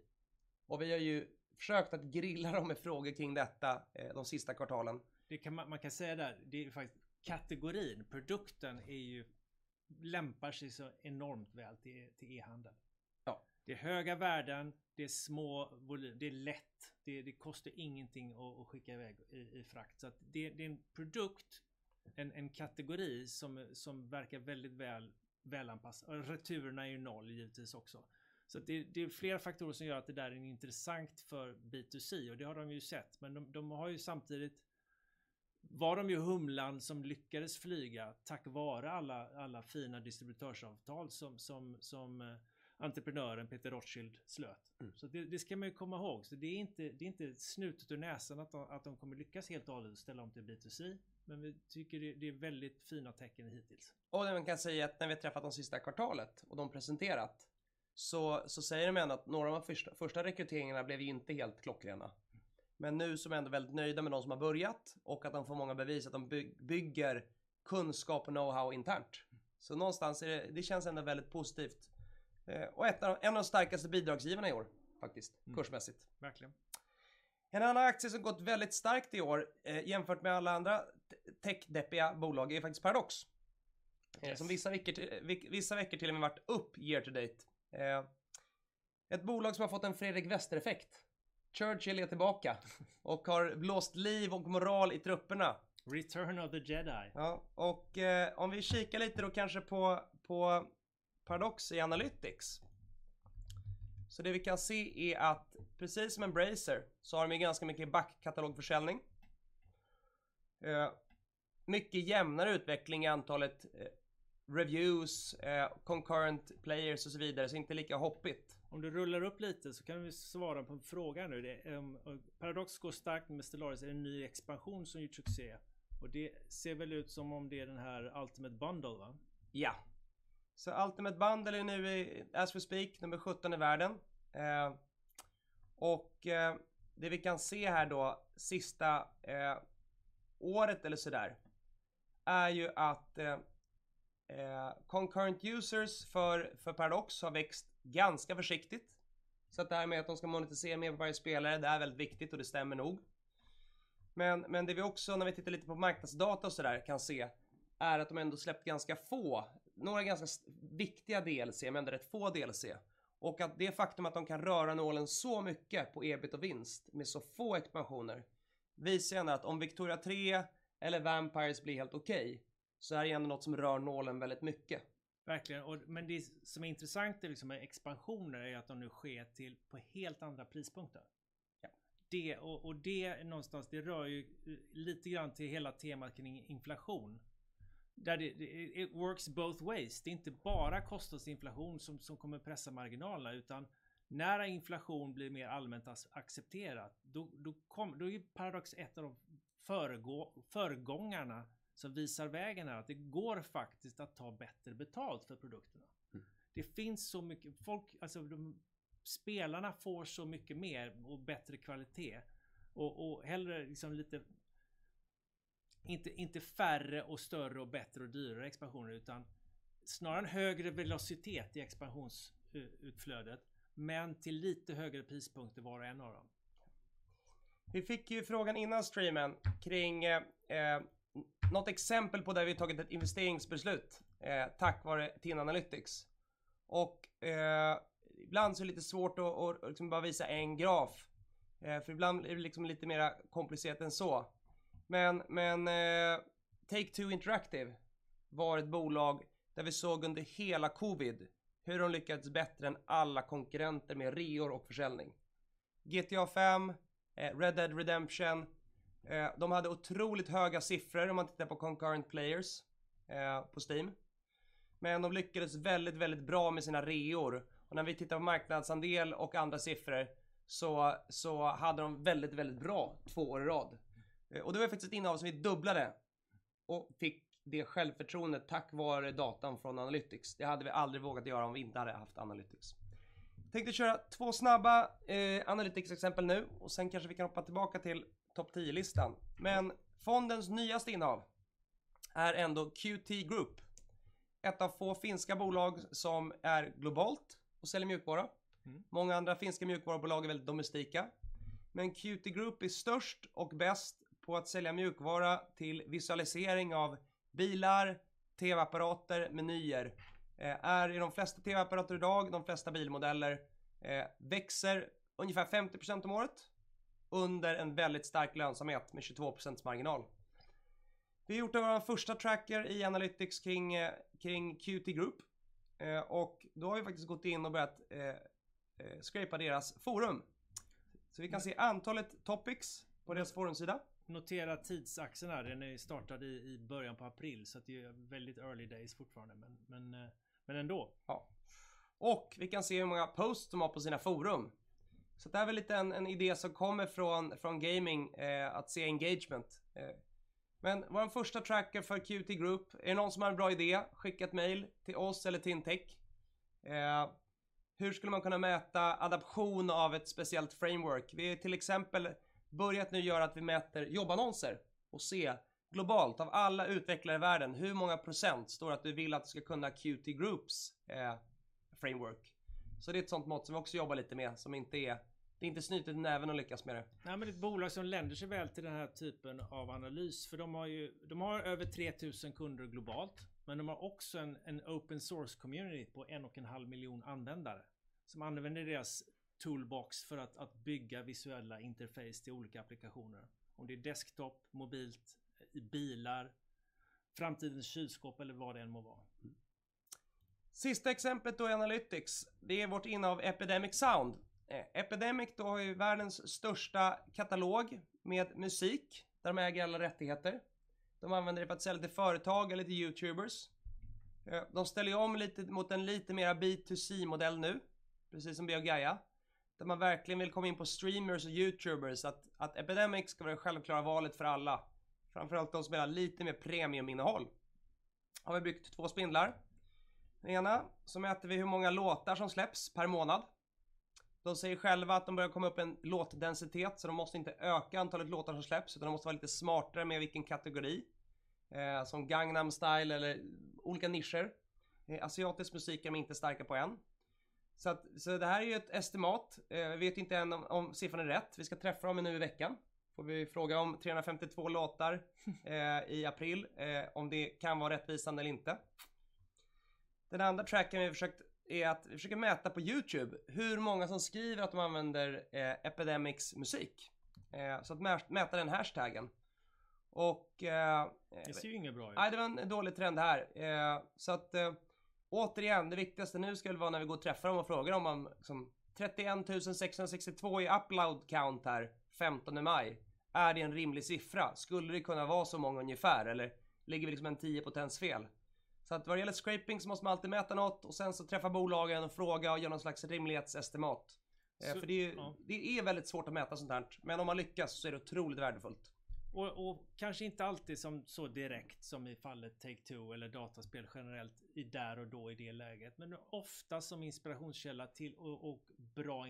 Vi har ju försökt att grilla dem med frågor kring detta, de sista kvartalen. Det kan man säga där, det är faktiskt kategorin. Produkten är ju lämpar sig så enormt väl till e-handel. Ja. Det är höga värden, det är små volymer, det är lätt. Det kostar ingenting att skicka iväg i frakt. Det är en produkt, en kategori som verkar väldigt välanpassad. Returerna är ju noll givetvis också. Det är flera faktorer som gör att det där är intressant för B2C och det har de ju sett. De har ju samtidigt var de ju humlan som lyckades flyga tack vare alla fina distributörsavtal som entreprenören Peter Rothschild slöt. Det ska man ju komma ihåg. Det är inte snutet ur näsan att de kommer lyckas helt och hållet ställa om till B2C. Vi tycker det är väldigt fina tecken hittills. Det man kan säga att när vi har träffat det sista kvartalet och de presenterat, så säger de ändå att några av de första rekryteringarna blev inte helt klockrena. Men nu så är de ändå väldigt nöjda med de som har börjat och att de får många bevis att de bygger kunskap och know-how internt. Så någonstans är det känns ändå väldigt positivt. En av de starkaste bidragsgivarna i år faktiskt, kursmässigt. Verkligen. En annan aktie som gått väldigt starkt i år, jämfört med alla andra techdeppiga bolag är faktiskt Paradox. Yes. Som vissa veckor till och med varit upp year to date. Ett bolag som har fått en Fredrik Wester-effekt. Churchill är tillbaka och har blåst liv och moral i trupperna. Return of the Jedi. Ja, om vi kikar lite då kanske på Paradox Interactive. Det vi kan se är att precis som Embracer så har de ganska mycket backkatalogförsäljning. Mycket jämnare utveckling i antalet reviews, concurrent players och så vidare. Det är inte lika hoppigt. Om du rullar upp lite så kan vi svara på en fråga nu. Det, Paradox går starkt med Stellaris. Är det en ny expansion som gjort succé? Och det ser väl ut som om det är den här Ultimate Bundle va? Ultimate Bundle är nu i, as we speak, nummer 17 i världen. Det vi kan se här då sista året eller sådär är ju att concurrent users för Paradox har växt ganska försiktigt. Att det här med att de ska monetisera med varje spelare, det är väldigt viktigt och det stämmer nog. Men det vi också när vi tittar lite på marknadsdata och sådär kan se är att de ändå släppt ganska få, några ganska viktiga DLC, men ändå rätt få DLC. Det faktum att de kan röra nålen så mycket på EBIT och vinst med så få expansioner visar ändå att om Victoria 3 eller Vampires blir helt okej, så är det ändå något som rör nålen väldigt mycket. Verkligen. Men det som är intressant liksom med expansioner är att de nu sker till på helt andra prispunkter. Ja. Det rör ju lite grann till hela temat kring inflation. It works both ways. Det är inte bara kostnadsinflation som kommer pressa marginalerna, utan när inflation blir mer allmänt accepterat, då är Paradox ett av de föregångarna som visar vägen här att det går faktiskt att ta bättre betalt för produkterna. Det finns så mycket, folk, alltså de spelarna får så mycket mer och bättre kvalitet och hellre liksom lite inte färre och större och bättre och dyrare expansioner, utan snarare en högre velocitet i expansionsutflödet, men till lite högre prispunkter var och en av dem. Vi fick ju frågan innan streamen kring något exempel på där vi tagit ett investeringsbeslut tack vare TIN Analytics. Ibland så är det lite svårt att liksom bara visa en graf för ibland är det lite mera komplicerat än så. Take-Two Interactive var ett bolag där vi såg under hela covid hur de lyckades bättre än alla konkurrenter med reor och försäljning. GTA 5, Red Dead Redemption. De hade otroligt höga siffror om man tittar på concurrent players på Steam. De lyckades väldigt bra med sina reor. När vi tittar på marknadsandel och andra siffror så hade de väldigt bra två år i rad. Det var faktiskt ett innehav som vi dubblade och fick det självförtroendet tack vare datan från Analytics. Det hade vi aldrig vågat göra om vi inte hade haft Analytics. Tänkte köra 2 snabba Analytics-exempel nu och sen kanske vi kan hoppa tillbaka till topp 10-listan. Fondens nyaste innehav är ändå Qt Group. Ett av få finska bolag som är globalt och säljer mjukvara. Många andra finska mjukvarubolag är väldigt domestika, men Qt Group är störst och bäst på att sälja mjukvara till visualisering av bilar, tv-apparater, menyer. Är i de flesta tv-apparater i dag, de flesta bilmodeller. Växer ungefär 50% om året under en väldigt stark lönsamhet med 22% marginal. Vi har gjort en av våra första tracker i Analytics kring Qt Group och då har vi faktiskt gått in och börjat scrape:a deras forum. Så vi kan se antalet topics på deras forumsida. Notera tidsaxeln här. Den är startad i början på april, så att det är väldigt early days fortfarande. Ändå. Ja. Vi kan se hur många posts de har på sina forum. Det här är väl lite en idé som kommer från gaming att se engagement. Men vår första tracker för Qt Group. Är det någon som har en bra idé? Skicka ett mejl till oss eller TIN Tech. Hur skulle man kunna mäta adoption av ett speciellt framework? Vi har till exempel börjat nu göra att vi mäter jobbannonser och se globalt av alla utvecklare i världen. Hur många procent står det att du ska kunna Qt Groups framework? Det är ett sådant mått som vi också jobbar lite med som inte är, det är inte snutet med näven att lyckas med det. Nej, men det är ett bolag som lämpar sig väl till den här typen av analys. För de har över 3,000 kunder globalt, men de har också en open source community på 1.5 miljoner användare som använder deras toolbox för att bygga visuella interface till olika applikationer. Om det är desktop, mobilt, i bilar, framtidens kylskåp eller vad det än må vara. Sista exemplet då i analytics, det är vårt innehav Epidemic Sound. Epidemic då har ju världens största katalog med musik där de äger alla rättigheter. De använder det för att sälja till företag eller till YouTubers. De ställer ju om lite mot en lite mer B2C-modell nu, precis som BioGaia, där man verkligen vill komma in på streamers och YouTubers. Att Epidemic ska vara det självklara valet för alla, framför allt de som vill ha lite mer premiuminnehåll. Har vi byggt två spindlar. Den ena så mäter vi hur många låtar som släpps per månad. De säger själva att de börjar komma upp i en låtdensitet, så de måste inte öka antalet låtar som släpps, utan de måste vara lite smartare med vilken kategori. Som Gangnam Style eller olika nischer. Asiatisk musik är de inte starka på än. Så det här är ju ett estimat. Vi vet inte än om siffran är rätt. Vi ska träffa dem nu i veckan. Får vi fråga om 352 låtar i april om det kan vara rättvisande eller inte. Den andra tracken vi har försökt är att vi försöker mäta på YouTube hur många som skriver att de använder Epidemic Sound's musik. Så att mäta den hashtaggen. Det ser ju inte bra ut. Nej, det var en dålig trend här. Återigen, det viktigaste nu skulle vara när vi går och träffar dem och frågar dem om 30,662 i upload count här femtonde maj. Är det en rimlig siffra? Skulle det kunna vara så många ungefär? Eller ligger vi en tiopotens fel? Vad det gäller scraping så måste man alltid mäta något och sen träffa bolagen och fråga och göra någon slags rimlighetsestimat. Det är väldigt svårt att mäta sådant här, men om man lyckas så är det otroligt värdefullt. Kanske inte alltid som så direkt som i fallet Take-Two Interactive eller dataspel generellt i där och då i det läget, men oftast som inspirationskälla till och bra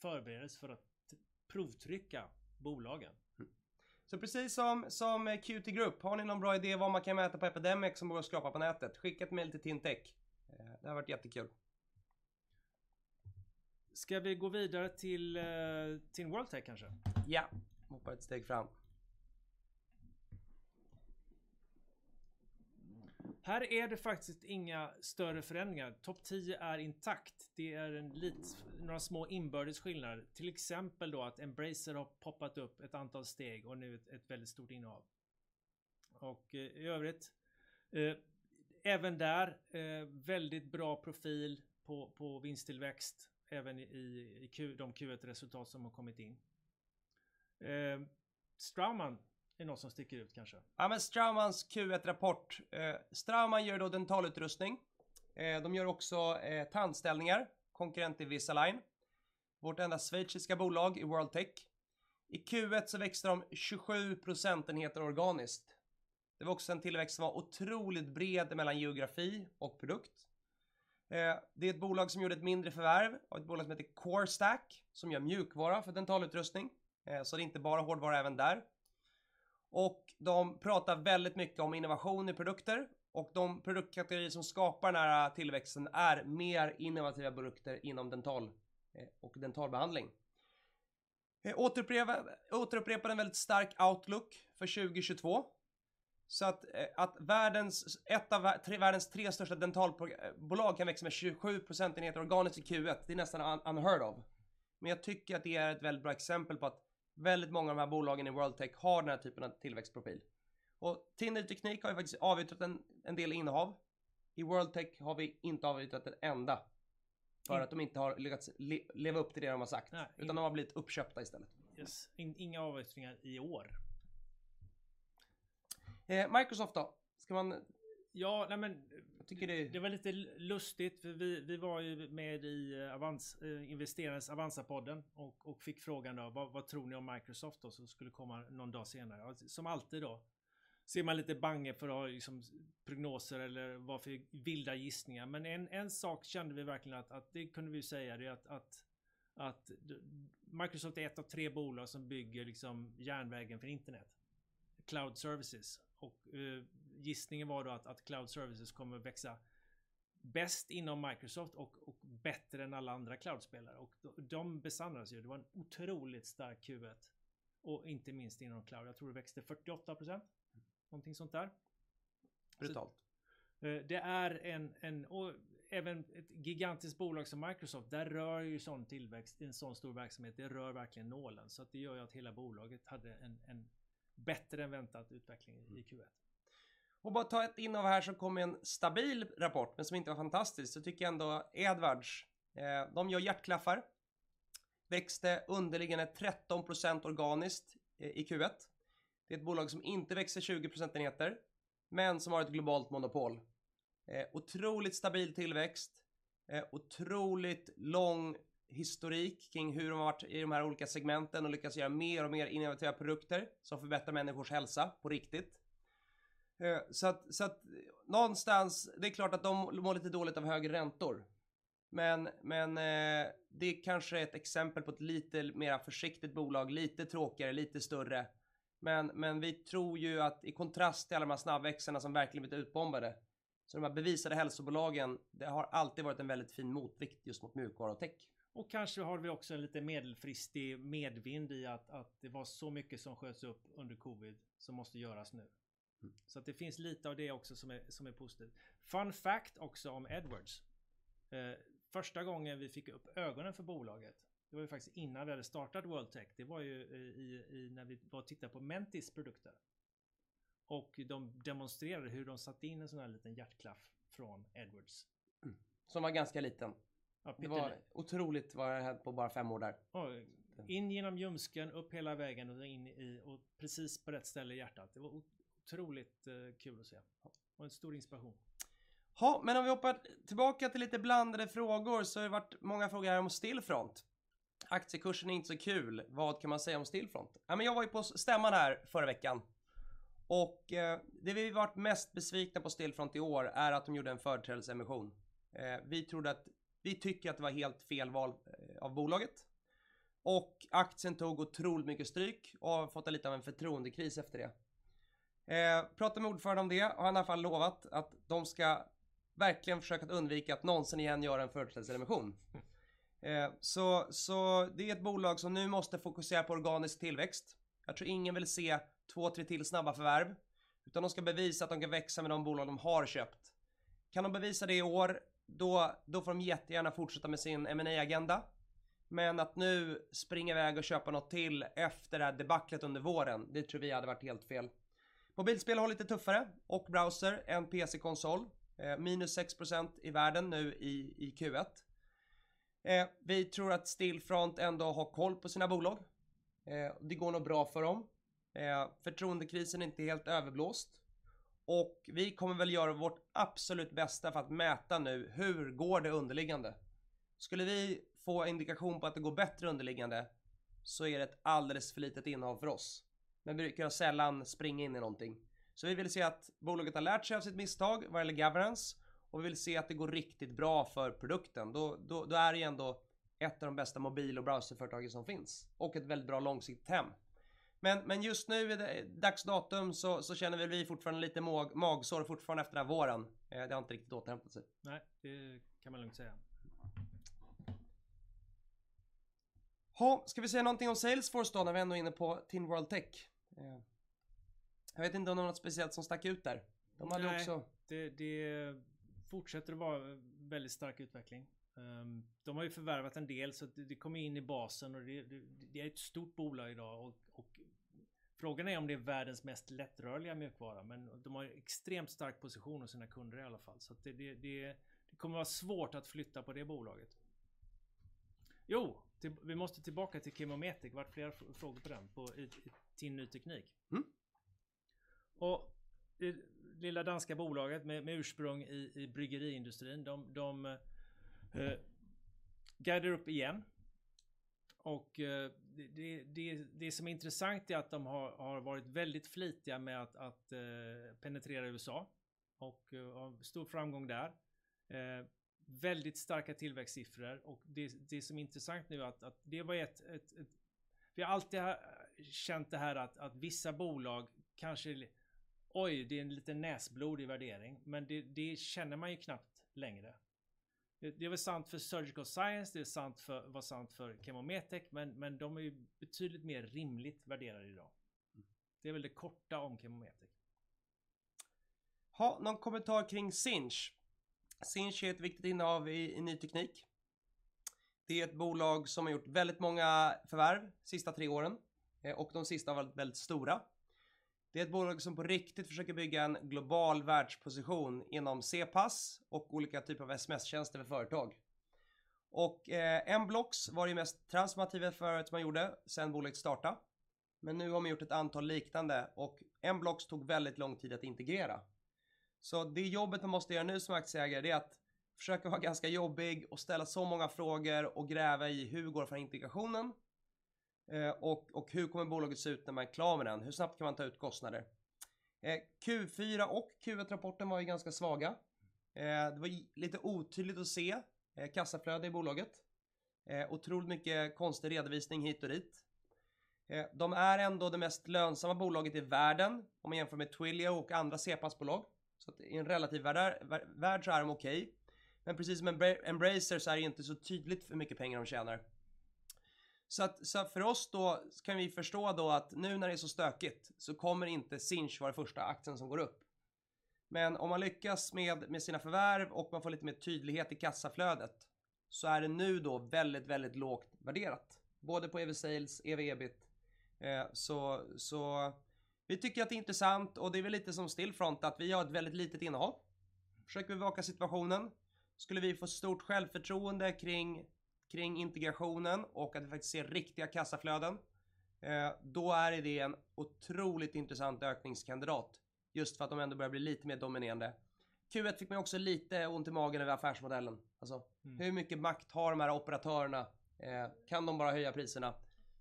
förberedelse för att provtrycka bolagen. Precis som Qt Group, har ni någon bra idé vad man kan mäta på Epidemic som går att skrapa på nätet? Skicka ett mejl till TIN Tech. Det hade varit jättekul. Ska vi gå vidare till World Tech kanske? Ja, hoppar ett steg fram. Här är det faktiskt inga större förändringar. Topp tio är intakt. Det är några små inbördes skillnader. Till exempel då att Embracer har poppat upp ett antal steg och nu ett väldigt stort innehav. I övrigt, även där, väldigt bra profil på vinsttillväxt även i Q, de Q1-resultat som har kommit in. Straumann är någon som sticker ut kanske. Straumanns Q1-rapport. Straumann gör dentalutrustning. De gör också tandställningar, konkurrent till Invisalign, vårt enda schweiziska bolag i World Tech. I Q1 växte de 27 procentenheter organiskt. Det var en tillväxt som var otroligt bred mellan geografi och produkt. Det är ett bolag som gjorde ett mindre förvärv av ett bolag som heter CareStack, som gör mjukvara för dentalutrustning. Så det är inte bara hårdvara även där. De pratar väldigt mycket om innovation i produkter och de produktkategorier som skapar den här tillväxten är mer innovativa produkter inom dental och dentalbehandling. Återupprepade en väldigt stark outlook för 2022. Ett av världens tre största dentalbolag kan växa med 27 procentenheter organiskt i Q1. Det är nästan unheard of. Jag tycker att det är ett väldigt bra exempel på att väldigt många av de här bolagen i TIN World Tech har den här typen av tillväxtprofil. TIN Ny Teknik har ju faktiskt avyttrat en del innehav. I TIN World Tech har vi inte avyttrat en enda för att de inte har lyckats leva upp till det de har sagt, utan de har blivit uppköpta istället. Yes, inga avyttringar i år. Microsoft då? Ska man- Ja, nej men- Jag tycker det. Det var lite lustigt, för vi var ju med i Avanzapodden och fick frågan då: "Vad tror ni om Microsoft då?" som skulle komma någon dag senare. Som alltid då ser man lite bange för att ha liksom prognoser eller vad för vilda gissningar. Men en sak kände vi verkligen att det kunde vi säga, det att Microsoft är ett av tre bolag som bygger liksom järnvägen för internet, cloud services. Gissningen var då att cloud services kommer växa bäst inom Microsoft och bättre än alla andra cloudspelare. De besannades ju. Det var en otroligt stark Q1 och inte minst inom cloud. Jag tror det växte 48%. Något sånt där. Totalt. Det är en och även ett gigantiskt bolag som Microsoft, där rör ju sådan tillväxt i en sådan stor verksamhet, det rör verkligen nålen. Det gör ju att hela bolaget hade en bättre än väntat utveckling i Q1. Bara ta ett innehav här som kom med en stabil rapport, men som inte var fantastisk, så tycker jag ändå Edwards, de gör hjärtklaffar, växte underliggande 13% organiskt i Q1. Det är ett bolag som inte växer 20 procentenheter, men som har ett globalt monopol. Otroligt stabil tillväxt, otroligt lång historik kring hur de har varit i de här olika segmenten och lyckas göra mer och mer innovativa produkter som förbättrar människors hälsa på riktigt. Så någonstans, det är klart att de mår lite dåligt av högre räntor. Men det kanske är ett exempel på ett lite mer försiktigt bolag, lite tråkigare, lite större. Men vi tror ju att i kontrast till alla de här snabbväxarna som verkligen blivit utbombade, så de här bevisade hälsobolagen, det har alltid varit en väldigt fin motvikt just mot mjukvara och tech. Kanske har vi också en lite medelfristig medvind i att det var så mycket som sköts upp under covid som måste göras nu. Det finns lite av det också som är positivt. Fun fact också om Edwards. Första gången vi fick upp ögonen för bolaget, det var ju faktiskt innan vi hade startat World Tech. Det var ju i när vi var och tittade på Mentice produkter och de demonstrerade hur de satte in en sån här liten hjärtklaff från Edwards. Som var ganska liten. Det var otroligt vad det har hänt på bara 5 år där. Ja, in genom ljumsken, upp hela vägen och in i och precis på rätt ställe i hjärtat. Det var otroligt kul att se. Var en stor inspiration. Jaha, men om vi hoppar tillbaka till lite blandade frågor så har det varit många frågor här om Stillfront. Aktiekursen är inte så kul. Vad kan man säga om Stillfront? Ja, men jag var ju på s-stämman här förra veckan och det vi varit mest besvikna på Stillfront i år är att de gjorde en företrädesemission. Vi tycker att det var helt fel val av bolaget och aktien tog otroligt mycket stryk och har fått lite av en förtroendekris efter det. Pratade med ordförande om det och han har i alla fall lovat att de ska verkligen försöka att undvika att någonsin igen göra en företrädesemission. Så det är ett bolag som nu måste fokusera på organisk tillväxt. Jag tror ingen vill se två, tre till snabba förvärv, utan de ska bevisa att de kan växa med de bolag de har köpt. Kan de bevisa det i år, då får de jättegärna fortsätta med sin M&A-agenda. Att nu springa i väg och köpa något till efter det här debaclet under våren, det tror vi hade varit helt fel. Mobilspel har lite tuffare och browser än PC/konsol. Minus 6% i världen nu i Q1. Vi tror att Stillfront ändå har koll på sina bolag. Det går nog bra för dem. Förtroendekrisen är inte helt överblåst och vi kommer väl göra vårt absolut bästa för att mäta nu hur går det underliggande? Skulle vi få indikation på att det går bättre underliggande så är det ett alldeles för litet innehav för oss. Vi brukar sällan springa in i någonting. Vi vill se att bolaget har lärt sig av sitt misstag vad gäller governance och vi vill se att det går riktigt bra för produkten. Då är det ju ändå ett av de bästa mobil- och browserföretagen som finns och ett väldigt bra långsiktigt hem. Men just nu i dagens datum så känner vi fortfarande lite magsår fortfarande efter den här våren. Det har inte riktigt återhämtat sig. Nej, det kan man lugnt säga. Jaha, ska vi säga någonting om Salesforce då när vi ändå är inne på TIN World Tech? Jag vet inte om du har något speciellt som stack ut där? De hade också Nej, det fortsätter att vara väldigt stark utveckling. De har ju förvärvat en del så att det kommer in i basen och det är ett stort bolag i dag. Frågan är om det är världens mest lättrörliga mjukvara. Men de har ju extremt stark position hos sina kunder i alla fall. Så att det kommer vara svårt att flytta på det bolaget. Jo, vi måste tillbaka till ChemoMetec. Det var flera frågor på den i TIN Ny Teknik. Det lilla danska bolaget med ursprung i bryggeriindustrin, de gather up igen. Det som är intressant är att de har varit väldigt flitiga med att penetrera USA och har stor framgång där. Väldigt starka tillväxtsiffror. Det som är intressant nu att det var ett. Vi har alltid känt det här att vissa bolag kanske, oj, det är en lite näsblodig värdering, men det känner man ju knappt längre. Det var sant för Surgical Science, det är sant för, var sant för ChemoMetec, men de är ju betydligt mer rimligt värderade i dag. Det är väl det korta om ChemoMetec. Någon kommentar kring Sinch? Sinch är ett viktigt innehav i TIN Ny Teknik. Det är ett bolag som har gjort väldigt många förvärv sista 3 åren och de sista har varit väldigt stora. Det är ett bolag som på riktigt försöker bygga en global världsposition inom CPaaS och olika typer av SMS-tjänster för företag. Och, Mblox var det mest transformativa förvärvet som man gjorde sedan bolaget startade. Men nu har man gjort ett antal liknande och Mblox tog väldigt lång tid att integrera. Så det jobbet man måste göra nu som aktieägare det är att försöka vara ganska jobbig och ställa så många frågor och gräva i hur går det för integrationen? Och hur kommer bolaget se ut när man är klar med den? Hur snabbt kan man ta ut kostnader? Q4 och Q1-rapporten var ju ganska svaga. Det var lite otydligt att se kassaflöde i bolaget. Otroligt mycket konstig redovisning hit och dit. De är ändå det mest lönsamma bolaget i världen om man jämför med Twilio och andra CPAS-bolag. I en relativ värld så är de okej. Men precis som med Embracer så är det inte så tydligt hur mycket pengar de tjänar. Så att för oss kan vi förstå att nu när det är så stökigt så kommer inte Sinch vara första aktien som går upp. Men om man lyckas med sina förvärv och man får lite mer tydlighet i kassaflödet så är det nu väldigt lågt värderat, både på EV/Sales, EV/EBIT. Så vi tycker att det är intressant och det är väl lite som Stillfront att vi har ett väldigt litet innehav. Försöker bevaka situationen. Skulle vi få stort självförtroende kring integrationen och att vi faktiskt ser riktiga kassaflöden. Då är det en otroligt intressant ökningskandidat just för att de ändå börjar bli lite mer dominerande. Q1 fick man också lite ont i magen över affärsmodellen. Alltså, hur mycket makt har de här operatörerna? Kan de bara höja priserna?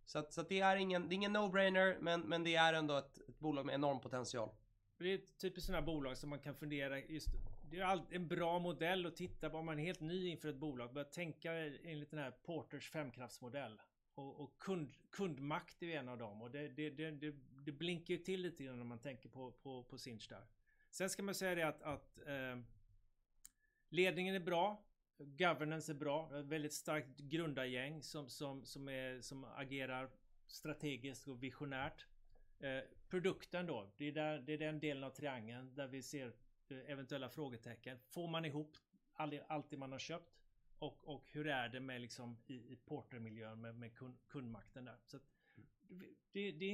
Så att det är ingen no brainer, men det är ändå ett bolag med enorm potential. Det är ett typiskt sådant här bolag som man kan fundera. Det är alltid en bra modell att titta om man är helt ny inför ett bolag, börja tänka enligt den här Porters femkraftsmodell. Kundmakt är ju en av dem och det blinkar ju till lite grann när man tänker på Sinch där. Sen ska man säga det att ledningen är bra, governance är bra, väldigt starkt grundargäng som agerar strategiskt och visionärt. Produkten då, det är där, det är den delen av triangeln där vi ser eventuella frågetecken. Får man ihop allt det man har köpt och hur är det med liksom i Porter-miljön med kundmakten där? Det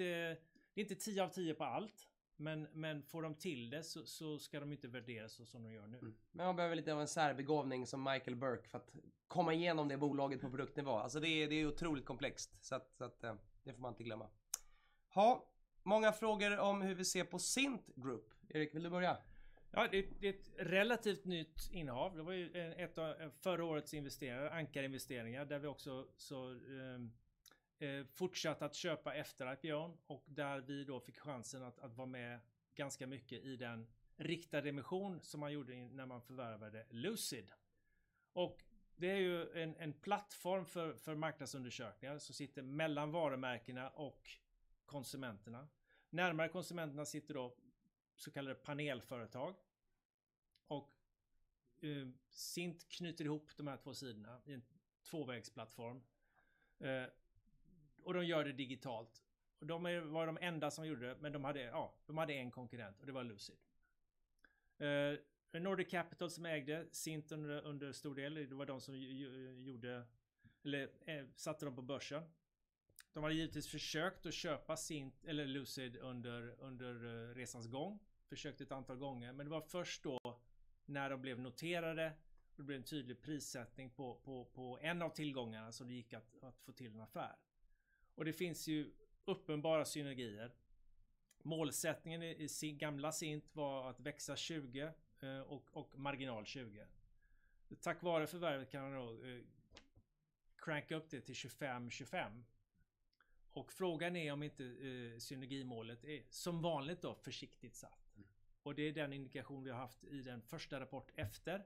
är inte 10 av 10 på allt, men får de till det så ska de inte värderas så som de gör nu. Man behöver lite av en särbegåvning som Michael Burry för att komma igenom det bolaget på produktnivå. Alltså, det är otroligt komplext. Så att det får man inte glömma. Jaha, många frågor om hur vi ser på Cint Group. Erik, vill du börja? Ja, det är ett relativt nytt innehav. Det var ju ett av förra årets investeringar, ankarinvesteringar, där vi också fortsatte att köpa efter IPO:n och där vi då fick chansen att vara med ganska mycket i den riktade emission som man gjorde in när man förvärvade Lucid. Det är ju en plattform för marknadsundersökningar som sitter mellan varumärkena och konsumenterna. Närmare konsumenterna sitter då så kallade panelföretag. Cint knyter ihop de här två sidorna i en tvåvägsplattform. De gör det digitalt. De var de enda som gjorde det, men de hade en konkurrent och det var Lucid. Nordic Capital som ägde Cint under stor del, det var de som satte dem på börsen. De hade givetvis försökt att köpa Cint eller Lucid under resans gång. Försökte ett antal gånger, men det var först då när de blev noterade, det blev en tydlig prissättning på på en av tillgångarna som det gick att att få till en affär. Det finns ju uppenbara synergier. Målsättningen i i Syn, gamla Cint var att växa 20% och marginal 20%. Tack vare förvärvet kan man då cranka upp det till 25%, 25%. Frågan är om inte synergimålet är som vanligt då försiktigt satt. Det är den indikation vi har haft i den första rapport efter.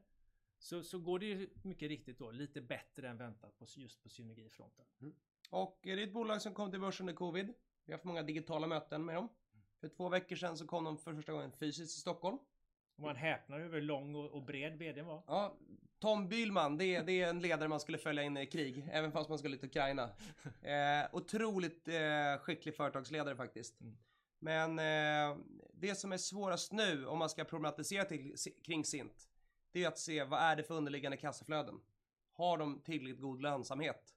Går det ju mycket riktigt då lite bättre än väntat på just på synergifronten. Det är ett bolag som kom till börsen under COVID. Vi har haft många digitala möten med dem. För 2 veckor sedan så kom de för första gången fysiskt till Stockholm. Man häpnade ju över hur lång och bred VD:n var. Ja, Tom Bühlmann, det är en ledare man skulle följa in i krig, även fast man skulle till Ukraina. Otroligt skicklig företagsledare faktiskt. Det som är svårast nu om man ska problematisera kring Cint, det är att se vad är det för underliggande kassaflöden? Har de tillräckligt god lönsamhet?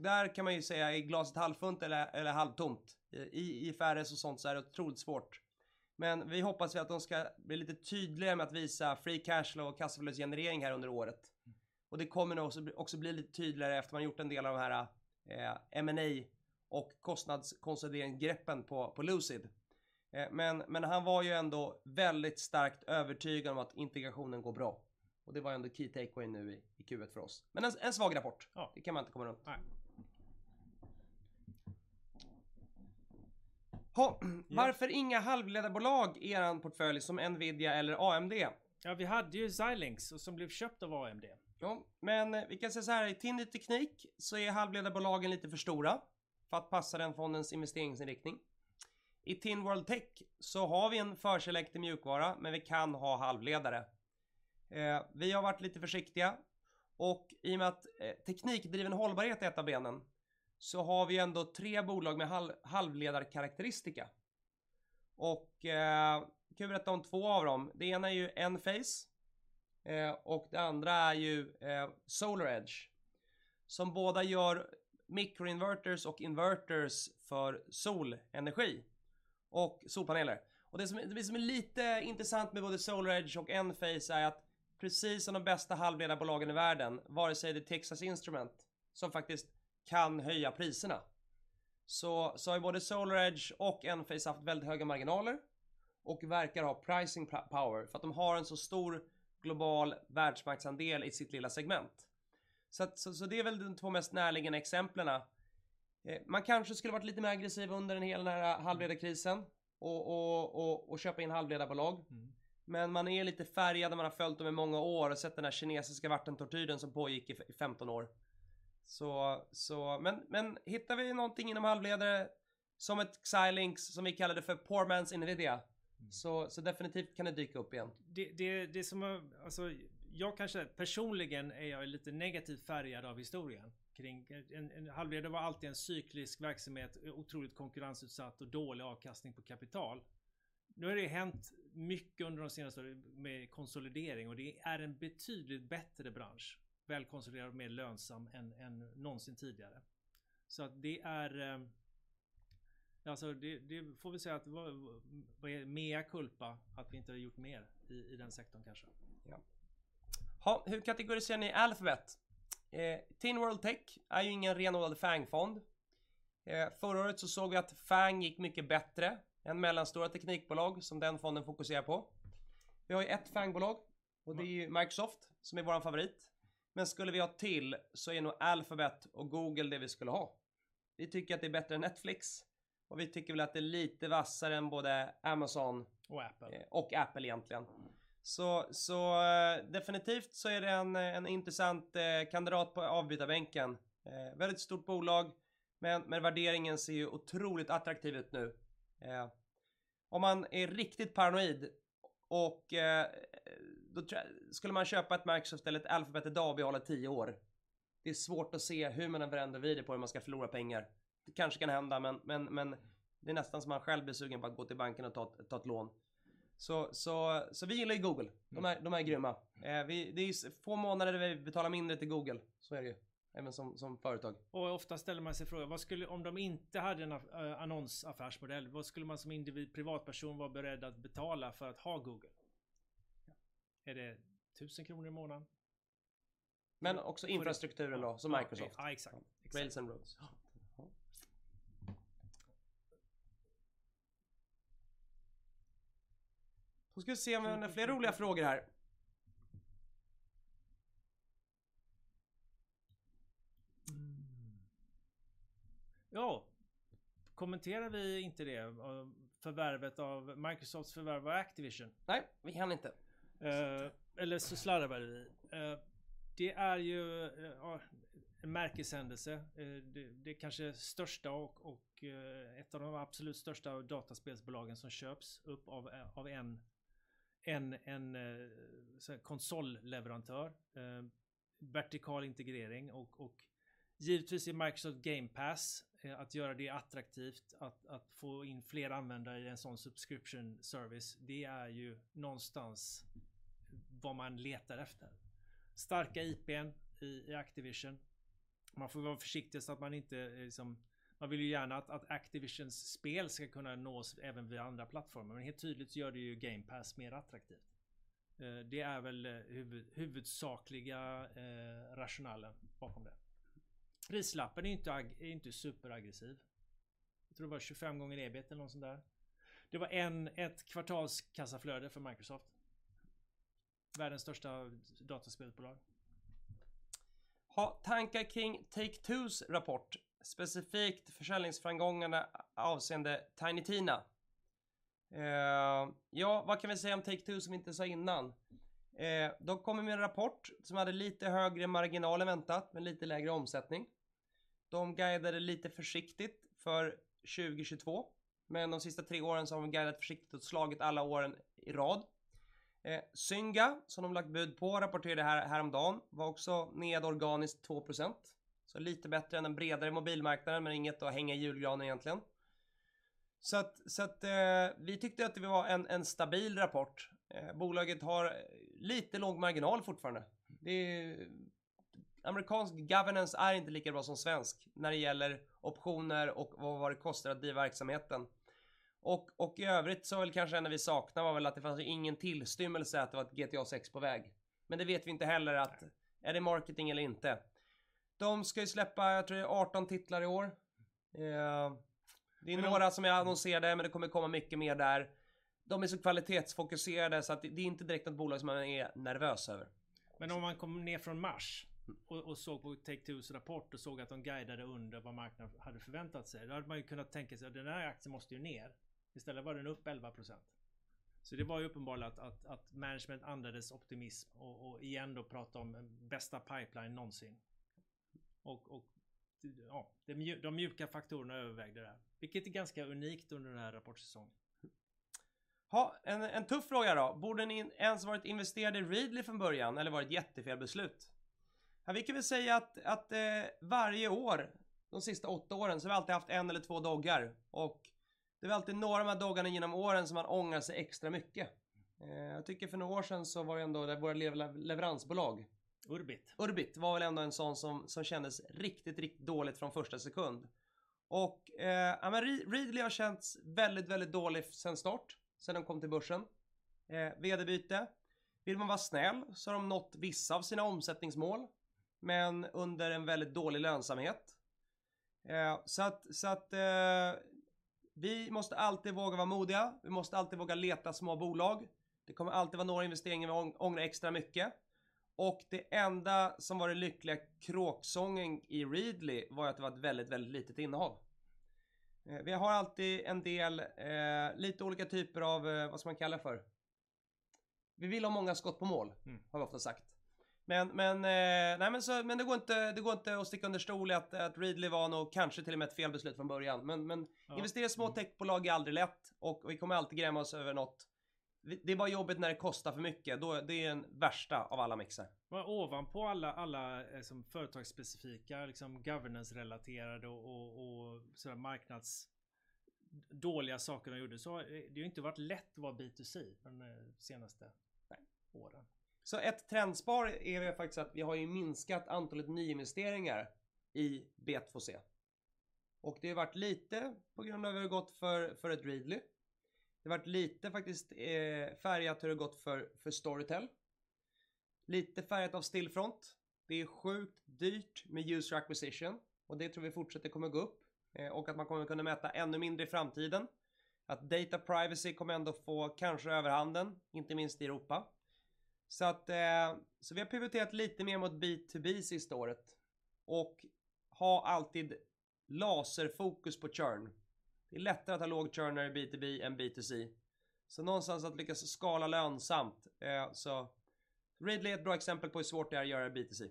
Där kan man ju säga, är glaset halvfullt eller halvtomt? I IFRS och sånt så är det otroligt svårt. Vi hoppas ju att de ska bli lite tydligare med att visa free cash flow och kassaflödesgenerering här under året. Det kommer nog också bli lite tydligare efter man gjort en del av de här M&A och kostnadskonsolideringsgreppen på Lucid. Han var ju ändå väldigt starkt övertygad om att integrationen går bra. Det var ändå key takeaway nu i Q1 för oss. En svag rapport. Det kan man inte komma runt. Nej. Jaha, varför inga halvledarbolag i eran portfölj som Nvidia eller AMD? Ja, vi hade ju Xilinx som blev köpt av AMD. Vi kan säga så här, i TIN Ny Teknik så är halvledarbolagen lite för stora för att passa den fondens investeringsinriktning. I TIN World Tech så har vi en för selektiv mjukvara, men vi kan ha halvledare. Vi har varit lite försiktiga och i och med att teknikdriven hållbarhet är ett av benen så har vi ändå tre bolag med halvledarkarakteristika. Kan jag berätta om två av dem. Det ena är ju Enphase och det andra är ju SolarEdge, som båda gör microinverters och inverters för solenergi och solpaneler. Det som är lite intressant med både SolarEdge och Enphase är att precis som de bästa halvledarbolagen i världen, vare sig det Texas Instruments som faktiskt kan höja priserna, så har både SolarEdge och Enphase haft väldigt höga marginaler och verkar ha pricing power för att de har en så stor global världsmarknadsandel i sitt lilla segment. Det är väl de 2 mest närliggande exemplen. Man kanske skulle varit lite mer aggressiv under den hela halvledarkrisen och köpa in halvledarbolag. Man är lite färgad. Man har följt dem i många år och sett den här kinesiska warrant tortyren som pågick i 15 år. Hittar vi någonting inom halvledare som ett Xilinx som vi kallar det för poor man's Nvidia, definitivt kan det dyka upp igen. Det som, alltså jag kanske personligen är jag lite negativt färgad av historien kring en halvledare var alltid en cyklisk verksamhet, otroligt konkurrensutsatt och dålig avkastning på kapital. Nu har det hänt mycket under de senaste åren med konsolidering och det är en betydligt bättre bransch, välkonsoliderad och mer lönsam än någonsin tidigare. Alltså det får vi säga att det var mea culpa att vi inte har gjort mer i den sektorn kanske. Ja. Jaha, hur kategoriserar ni Alphabet? TIN World Tech är ju ingen renodlad FANG-fond. Förra året så såg vi att FANG gick mycket bättre än mellanstora teknikbolag som den fonden fokuserar på. Vi har ju ett FANG-bolag och det är ju Microsoft som är vår favorit. Skulle vi ha till så är nog Alphabet och Google det vi skulle ha. Vi tycker att det är bättre än Netflix och vi tycker väl att det är lite vassare än både Amazon- Apple. Apple egentligen. Definitivt är det en intressant kandidat på avbytarbänken. Väldigt stort bolag, men värderingen ser ju otroligt attraktiv ut nu. Om man är riktigt paranoid och skulle man köpa ett Microsoft eller ett Alphabet i dag och behålla det 10 år. Det är svårt att se hur man än vänder och vrider på hur man ska förlora pengar. Det kanske kan hända, men det är nästan så man själv blir sugen på att gå till banken och ta ett lån. Vi gillar ju Google. De är grymma. Det är sista få månader vi betalar mindre till Google. Så är det ju, även som företag. Ofta ställer man sig frågan: Om de inte hade en annonsaffärsmodell, vad skulle man som individ, privatperson vara beredd att betala för att ha Google? Är det SEK 1000 i månaden? Men också infrastrukturen då, som Microsoft. Ja, exakt. Rails and roads. Då ska vi se om vi har några fler roliga frågor här. Ja, kommenterar vi inte det? Microsofts förvärv av Activision? Nej, vi hann inte. Eller så slarvade vi. Det är ju en märkeshändelse. Det kanske största och ett av de absolut största dataspelsbolagen som köps upp av en sån konsolleverantör. Vertikal integrering och givetvis i Microsoft Game Pass. Att göra det attraktivt att få in fler användare i en sån subscription service, det är ju någonstans vad man letar efter. Starka IP:n i Activision. Man får vara försiktig så att man inte liksom. Man vill ju gärna att Activisions spel ska kunna nås även via andra plattformar. Men helt tydligt så gör det ju Game Pass mer attraktivt. Det är väl huvudsakliga rationalen bakom det. Prislappen är ju inte superaggressiv. Jag tror det var 25 gånger EBIT eller något sånt där. Det var ett kvartals kassaflöde för Microsoft, världens största dataspelsbolag. Har tankar kring Take-Two's rapport, specifikt försäljningsframgångarna avseende Tiny Tina. Ja, vad kan vi säga om Take-Two som vi inte sa innan? De kom med en rapport som hade lite högre marginal än väntat, men lite lägre omsättning. De guidade lite försiktigt för 2022, men de sista 3 åren så har de guidat försiktigt och slagit alla åren i rad. Zynga, som de lagt bud på, rapporterade häromdagen, var också ner organiskt 2%. Så lite bättre än den bredare mobilmarknaden, men inget att hänga i julgranen egentligen. Så att vi tyckte att det var en stabil rapport. Bolaget har lite låg marginal fortfarande. Det är amerikansk governance är inte lika bra som svensk när det gäller optioner och vad det kostar att driva verksamheten. I övrigt så väl kanske det enda vi saknar var väl att det fanns ingen tillstymmelse att det var ett GTA 6 på väg. Det vet vi inte heller om det är marketing eller inte. De ska ju släppa, jag tror det är 18 titlar i år. Det är några som är annonserade, men det kommer komma mycket mer där. De är så kvalitetsfokuserade så att det är inte direkt något bolag som man är nervös över. Om man kom ner från mars och såg på Take-Two's rapport och såg att de guidade under vad marknaden hade förväntat sig, då hade man ju kunnat tänka sig: "Den här aktien måste ju ner." Istället var den upp 11%. Det var ju uppenbart att management andades optimism och igen då pratade om bästa pipeline någonsin. Ja, de mjuka faktorerna övervägde där, vilket är ganska unikt under den här rapportsäsongen. Jaha, en tuff fråga då: Borde ni ens varit investerade i Readly från början? Eller var det ett jättefel beslut? Ja, vi kan väl säga att varje år de sista 8 åren så har vi alltid haft en eller två doggar och det är väl alltid några av de här doggar genom åren som man ångrar sig extra mycket. Jag tycker för några år sen så var det ändå det vår leveransbolag. Urb-it. Urb-it var väl ändå en sån som kändes riktigt dåligt från första sekund. Readly har känts väldigt dålig sen start, sen den kom till börsen. VD-byte. Vill man vara snäll så har de nått vissa av sina omsättningsmål, men under en väldigt dålig lönsamhet. Så att vi måste alltid våga vara modiga. Vi måste alltid våga leta små bolag. Det kommer alltid vara några investeringar vi ångrar extra mycket och det enda som var det lyckliga kråksången i Readly var att det var ett väldigt litet innehav. Vi har alltid en del lite olika typer av, vad ska man kalla det för? Vi vill ha många skott på mål. Mm. Har vi ofta sagt. Det går inte att sticka under stolen med att Readly var nog kanske till och med ett fel beslut från början. Investera i små techbolag är aldrig lätt och vi kommer alltid gräma oss över något. Det är bara jobbigt när det kostar för mycket. Det är den värsta av alla missar. Ovanpå alla som företagsspecifika, liksom governance-relaterade och sån här marknads- dåliga sakerna gjordes. Det har ju inte varit lätt att vara B2C de senaste åren. Ett trendspår är väl faktiskt att vi har ju minskat antalet nyinvesteringar i B2C. Det har varit lite på grund av hur det har gått för ett Readly. Det har varit lite faktiskt färgat hur det har gått för Storytel. Lite färgat av Stillfront. Det är sjukt dyrt med user acquisition och det tror vi fortsätter kommer gå upp och att man kommer kunna mäta ännu mindre i framtiden. Data privacy kommer ändå få kanske överhanden, inte minst i Europa. Vi har pivoterat lite mer mot B2B sista året och ha alltid laserfokus på churn. Det är lättare att ha låg churn när det är B2B än B2C. Någonstans att lyckas skala lönsamt, så Readly är ett bra exempel på hur svårt det är att göra B2C.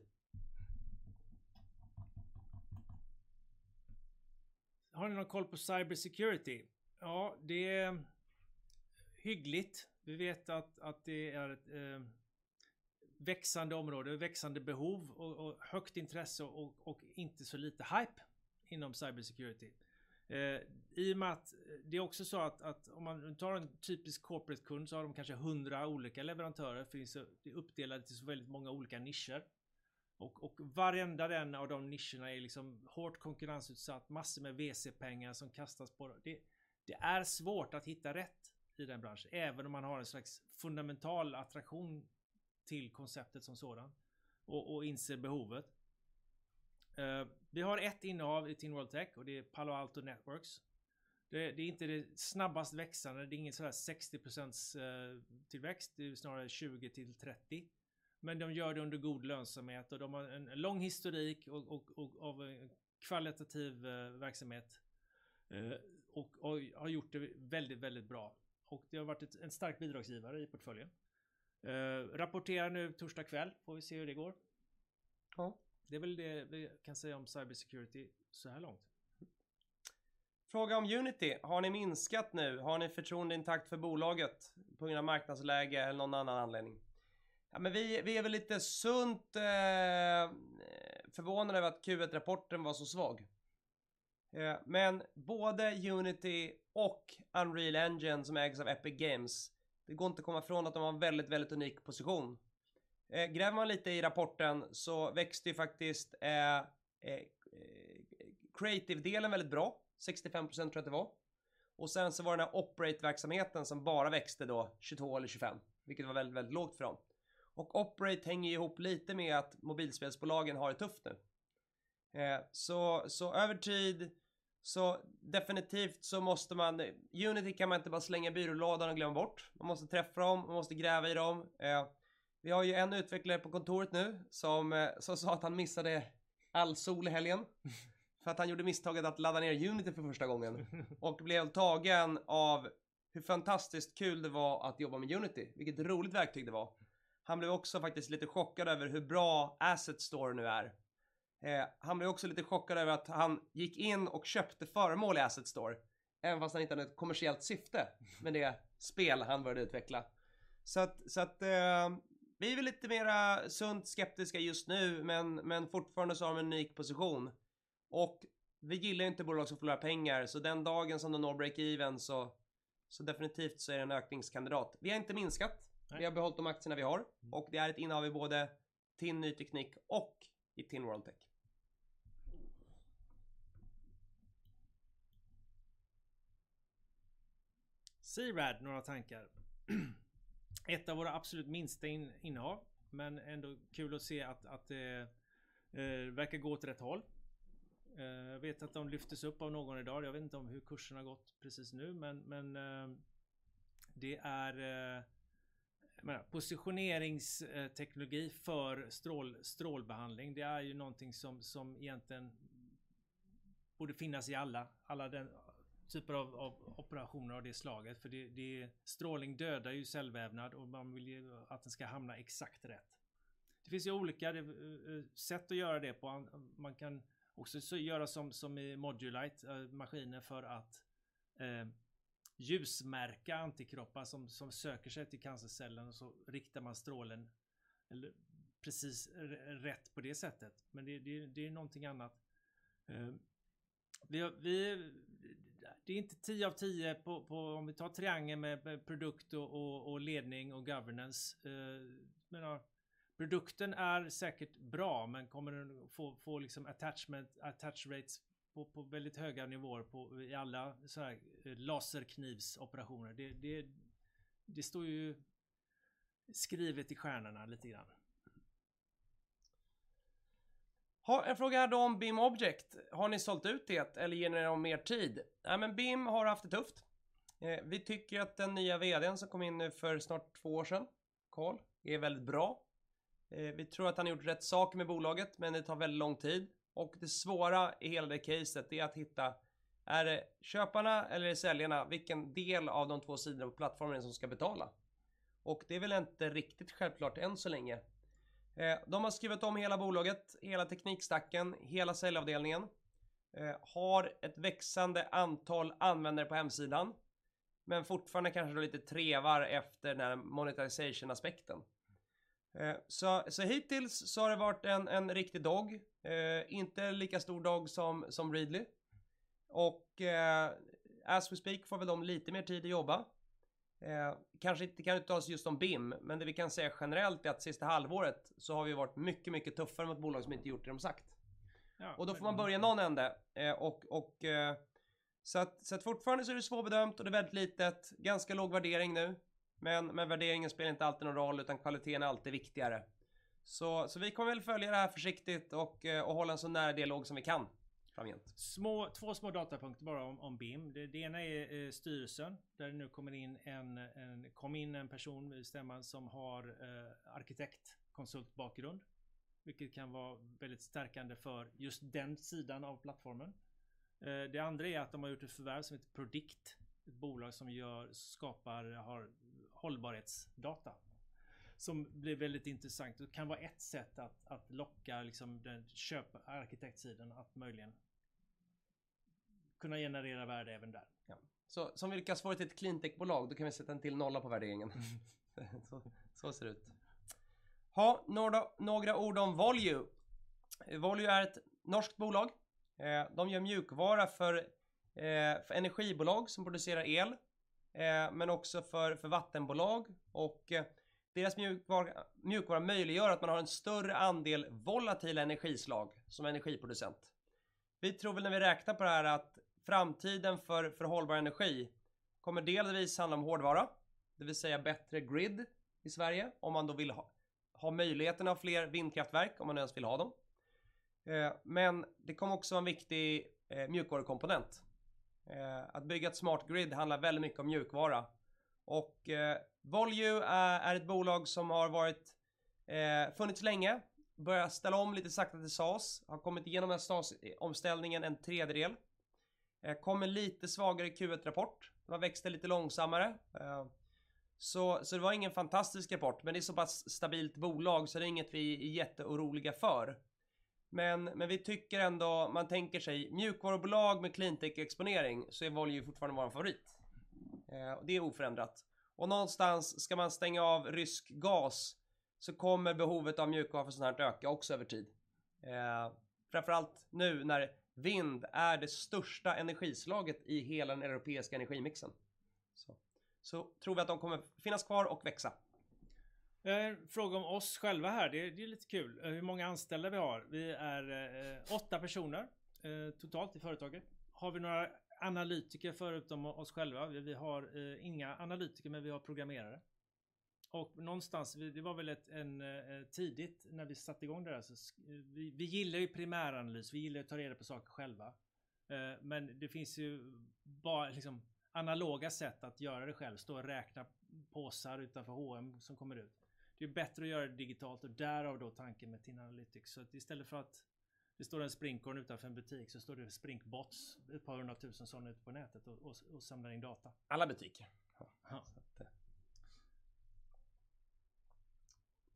Har ni någon koll på cybersecurity? Ja, det är hyggligt. Vi vet att det är ett växande område, växande behov och högt intresse och inte så lite hype inom cybersecurity. I och med att det är också så att om man tar en typisk corporatekund så har de kanske 100 olika leverantörer. Det finns, det är uppdelat i så väldigt många olika nischer och varenda en av de nischerna är liksom hårt konkurrensutsatt. Massor med VC-pengar som kastas på det. Det är svårt att hitta rätt i den branschen, även om man har en slags fundamental attraktion till konceptet som sådan och inser behovet. Vi har ett innehav i TIN World Tech och det är Palo Alto Networks. Det är inte det snabbast växande. Det är ingen sån där 60% tillväxt. Det är snarare 20%-30%. De gör det under god lönsamhet och de har en lång historik och av en kvalitativ verksamhet. Har gjort det väldigt bra. Det har varit en stark bidragsgivare i portföljen. Rapporterar nu torsdag kväll. Får vi se hur det går. Ja, det är väl det vi kan säga om cybersecurity såhär långt. Fråga om Unity. Har ni minskat nu? Har ni förtroende intakt för bolaget på grund av marknadsläge eller någon annan anledning? Ja, men vi är väl lite sunt förvånade över att Q1-rapporten var så svag. Men både Unity och Unreal Engine som ägs av Epic Games, det går inte att komma ifrån att de har en väldigt unik position. Gräver man lite i rapporten så växte ju faktiskt Create-delen väldigt bra, 65% tror jag det var. Och sen så var det den här Operate-verksamheten som bara växte 22 eller 25%, vilket var väldigt lågt för dem. Och Operate hänger ju ihop lite med att mobilspelsbolagen har det tufft nu. Så över tid, definitivt så måste man, Unity kan man inte bara slänga i byrålådan och glömma bort. Man måste träffa dem, man måste gräva i dem. Vi har ju en utvecklare på kontoret nu som sa att han missade all sol i helgen för att han gjorde misstaget att ladda ner Unity för första gången och blev tagen av hur fantastiskt kul det var att jobba med Unity, vilket roligt verktyg det var. Han blev också faktiskt lite chockad över hur bra Asset Store nu är. Han blev också lite chockad över att han gick in och köpte föremål i Asset Store, även fast han inte hade ett kommersiellt syfte med det spel han började utveckla. Vi är väl lite mer sunt skeptiska just nu, men fortfarande så har vi en unik position och vi gillar inte bolag som förlorar pengar. Den dagen som de når break even, definitivt är det en ökningskandidat. Vi har inte minskat. Vi har behållit de aktierna vi har och det är ett innehav i både TIN Ny Teknik och i TIN World Tech. C-RAD, några tankar? Ett av våra absolut minsta innehav, men ändå kul att se att det verkar gå åt rätt håll. Jag vet att de lyftes upp av någon i dag. Jag vet inte om hur kursen har gått precis nu, men det är, jag menar, positioneringsteknologi för strålbehandling. Det är ju någonting som egentligen borde finnas i alla typer av operationer av det slaget. För det strålning dödar ju cellvävnad och man vill ju att den ska hamna exakt rätt. Det finns ju olika sätt att göra det på. Man kan också göra som i ModuLite maskiner för att ljusmärka antikroppar som söker sig till cancercellen och så riktar man strålen, eller, precis rätt på det sättet. Men det är någonting annat. Det är inte 10 av 10 på om vi tar triangeln med produkt och ledning och governance. Jag menar, produkten är säkert bra, men kommer den få liksom attachment, attach rates på väldigt höga nivåer på i alla såhär laserknivsoperationer? Det står ju skrivet i stjärnorna lite grann. Jaha, en fråga då om BIMobject. Har ni sålt ut det eller ger ni dem mer tid? Ja, men BIMobject har haft det tufft. Vi tycker att den nya VD:n som kom in nu för snart två år sedan, Carl, är väldigt bra. Vi tror att han har gjort rätt sak med bolaget, men det tar väldigt lång tid och det svåra i hela det caset är att hitta: är det köparna eller är det säljarna? Vilken del av de två sidor av plattformen som ska betala? Och det är väl inte riktigt självklart än så länge. De har skrivit om hela bolaget, hela teknikstacken, hela säljavdelningen. Har ett växande antal användare på hemsidan, men fortfarande kanske de lite trevar efter den här monetization-aspekten. Så hittills så har det varit en riktig dog. Inte lika stor dog som Readly. As we speak får väl de lite mer tid att jobba. Kanske inte, kan inte tala just om BIM, but det vi kan säga generellt är att sista halvåret så har vi varit mycket tuffare mot bolag som inte gjort det de sagt. Ja. Då får man börja i någon ände. Fortfarande så är det svårbedömt och det är väldigt litet, ganska låg värdering nu. Men värderingen spelar inte alltid någon roll, utan kvaliteten är alltid viktigare. Så vi kommer väl följa det här försiktigt och hålla en så nära dialog som vi kan framgent. Två små datapunkter bara om BIMobject. Det ena är styrelsen, där det nu kommer in en person i stämman som har arkitektkonsultbakgrund, vilket kan vara väldigt stärkande för just den sidan av plattformen. Det andra är att de har gjort ett förvärv som heter Prodikt, ett bolag som har hållbarhetsdata som blir väldigt intressant och kan vara ett sätt att locka den köpararkitektsidan att möjligen kunna generera värde även där. Som vilka har svarat ett cleantech-bolag. Då kan vi sätta en till nolla på värderingen. Så ser det ut. Några ord om Volue. Volue är ett norskt bolag. De gör mjukvara för energibolag som producerar el, men också för vattenbolag. Och deras mjukvara möjliggör att man har en större andel volatil energislag som energiproducent. Vi tror väl när vi räknar på det här att framtiden för hållbar energi kommer delvis handla om hårdvara, det vill säga bättre grid i Sverige om man då vill ha möjligheten att ha fler vindkraftverk om man ens vill ha dem. Men det kommer också vara en viktig mjukvarukomponent. Att bygga ett smart grid handlar väldigt mycket om mjukvara. Volue är ett bolag som funnits länge, börjat ställa om lite sakta till SaaS, har kommit igenom den här SaaS-omställningen en tredjedel. Kom med en lite svagare Q1-rapport. De växte lite långsammare. Det var ingen fantastisk rapport, men det är ett så pass stabilt bolag så det är inget vi är jätteoroliga för. Vi tycker ändå man tänker sig mjukvarubolag med cleantech-exponering så är Volue fortfarande vår favorit. Det är oförändrat. Någonstans ska man stänga av rysk gas så kommer behovet av mjukvara för sådant här öka också över tid. Främför allt nu när vind är det största energislaget i hela den europeiska energimixen. Vi tror att de kommer finnas kvar och växa. En fråga om oss själva här. Det är lite kul. Hur många anställda vi har? Vi är 8 personer totalt i företaget. Har vi några analytiker förutom oss själva? Vi har inga analytiker, men vi har programmerare. Och någonstans det var väl ett en tidigt när vi satte igång det där så. Vi gillar ju primäranalys, vi gillar att ta reda på saker själva. Men det finns ju ba liksom analoga sätt att göra det själv. Stå och räkna påsar utanför H&M som kommer ut. Det är bättre att göra det digitalt och därav då tanken med TIN Analytics. Så att istället för att det står en Sprinkorn utanför en butik så står det Sprinkbots, ett par 100 000 sådana ute på nätet och samlar in data. Alla butiker. Ja.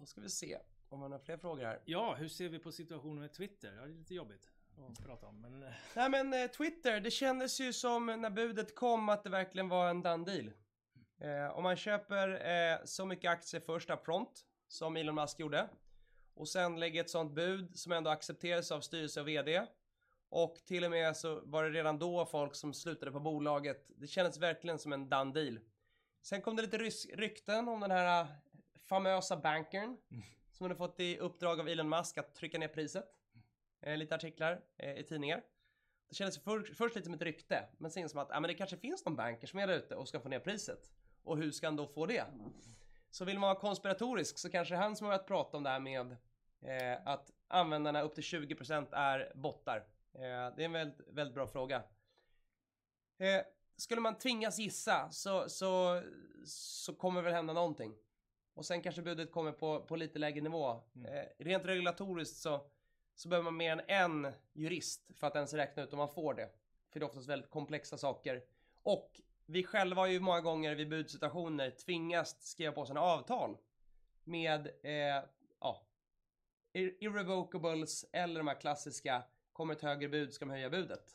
Ska vi se om vi har några fler frågor här. Ja, hur ser vi på situationen med Twitter? Ja, det är lite jobbigt att prata om, men. Nej, Twitter, det kändes ju som när budet kom att det verkligen var en done deal. Om man köper så mycket aktier först up front som Elon Musk gjorde och sen lägger ett sådant bud som ändå accepteras av styrelse och vd och till och med så var det redan då folk som slutade på bolaget. Det kändes verkligen som en done deal. Kom det lite ryska rykten om den här famösa bankir som hade fått i uppdrag av Elon Musk att trycka ner priset. Lite artiklar i tidningar. Det kändes först lite som ett rykte, men sen som att, "Ja, men det kanske finns någon bankir som är där ute och ska få ner priset. Hur ska han då få det?" Vill man vara konspiratorisk så kanske han som har varit och pratat om det här med att användarna upp till 20% är bottar. Det är en väldigt bra fråga. Skulle man tvingas gissa så kommer det väl hända någonting. Sen kanske budet kommer på lite lägre nivå. Rent regulatoriskt så behöver man mer än en jurist för att ens räkna ut om man får det. Det är oftast väldigt komplexa saker. Vi själva har ju många gånger vid budsituationer tvingats skriva på sådana avtal med irrevocables eller de här klassiska, kommer ett högre bud, ska man höja budet.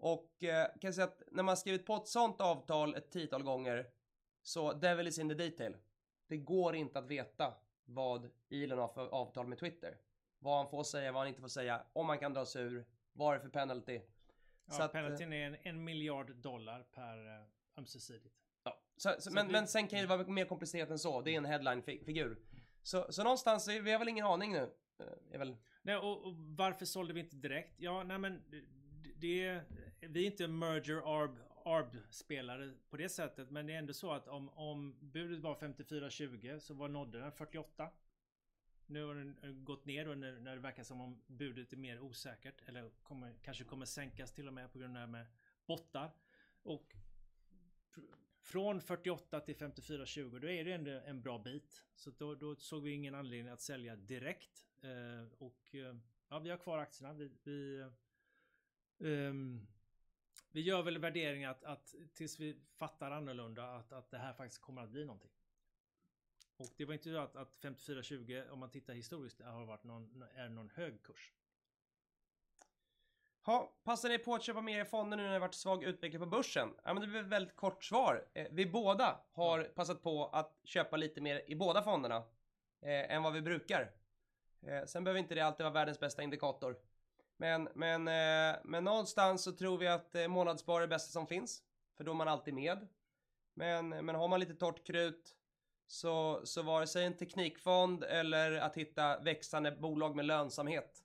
Kan jag säga att när man har skrivit på ett sådant avtal ett tiotal gånger, så devil is in the detail. Det går inte att veta vad Elon har för avtal med Twitter, vad han får säga, vad han inte får säga, om han kan dra sig ur, vad har han för penalty. Ja, penaltyn är $1 billion per ömsesidigt. Ja, men sen kan det ju vara mer komplicerat än så. Det är en headline figure. Så någonstans, vi har väl ingen aning nu, Evil. Nej, varför sålde vi inte direkt? Ja, nej men det vi är inte merger arb-spelare på det sättet, men det är ändå så att om budet var SEK 54.20 så nådde den SEK 48. Nu har den gått ner då när det verkar som om budet är mer osäkert eller kommer kanske sänkas till och med på grund av det här med bottar. Från SEK 48 till SEK 54.20, då är det ändå en bra bit. Så då såg vi ingen anledning att sälja direkt. Vi har kvar aktierna. Vi gör väl värderingen att tills vi fattar annorlunda att det här faktiskt kommer att bli någonting. Det var inte det att SEK 54.20, om man tittar historiskt, är någon hög kurs. Ja, passar det på att köpa mer i fonder nu när det har varit svag utveckling på börsen? Ja, men det blir väldigt kort svar. Vi båda har passat på att köpa lite mer i båda fonderna än vad vi brukar. Sen behöver inte det alltid vara världens bästa indikator. Men någonstans så tror vi att månadsspara är det bästa som finns för då är man alltid med. Men har man lite torrt krut så vare sig en teknikfond eller att hitta växande bolag med lönsamhet.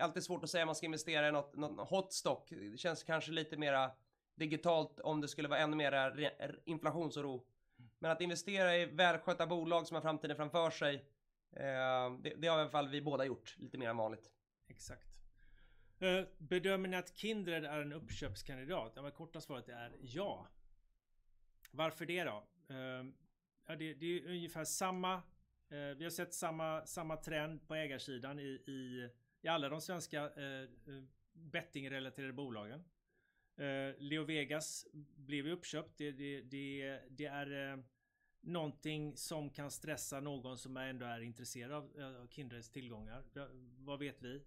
Alltid svårt att säga om man ska investera i något hot stock. Det känns kanske lite mera digitalt om det skulle vara ännu mera inflationsoro. Men att investera i välskötta bolag som har framtiden framför sig det har i alla fall vi båda gjort lite mer än vanligt. Exakt. Bedömer ni att Kindred är en uppköpskandidat? Ja, men korta svaret är ja. Varför det då? Ja, det är ungefär samma. Vi har sett samma trend på ägarsidan i alla de svenska bettingrelaterade bolagen. LeoVegas blev ju uppköpt. Det är någonting som kan stressa någon som ändå är intresserad av Kindreds tillgångar. Vad vet vi?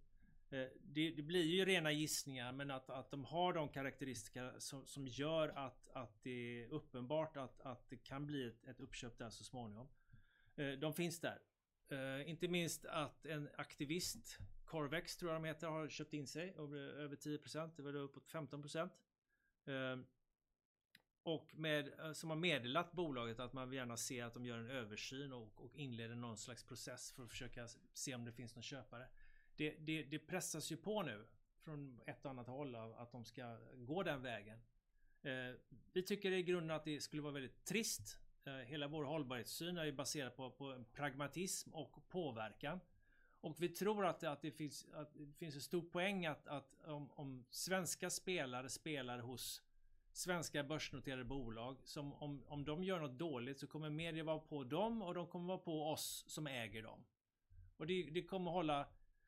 Det blir ju rena gissningar, men att de har de karakteristika som gör att det är uppenbart att det kan bli ett uppköp där så småningom. De finns där. Inte minst att en aktivist, Corvex Management tror jag de heter, har köpt in sig över 10%, det var uppåt 15%. Som har meddelat bolaget att man vill gärna se att de gör en översyn och inleder någon slags process för att försöka se om det finns någon köpare. Det pressas ju på nu från ett och annat håll att de ska gå den vägen. Vi tycker i grunden att det skulle vara väldigt trist. Hela vår hållbarhetssyn är ju baserad på pragmatism och påverkan. Vi tror att det finns en stor poäng att om svenska spelare spelar hos svenska börsnoterade bolag, som om de gör något dåligt så kommer media vara på dem och de kommer vara på oss som äger dem. Det kommer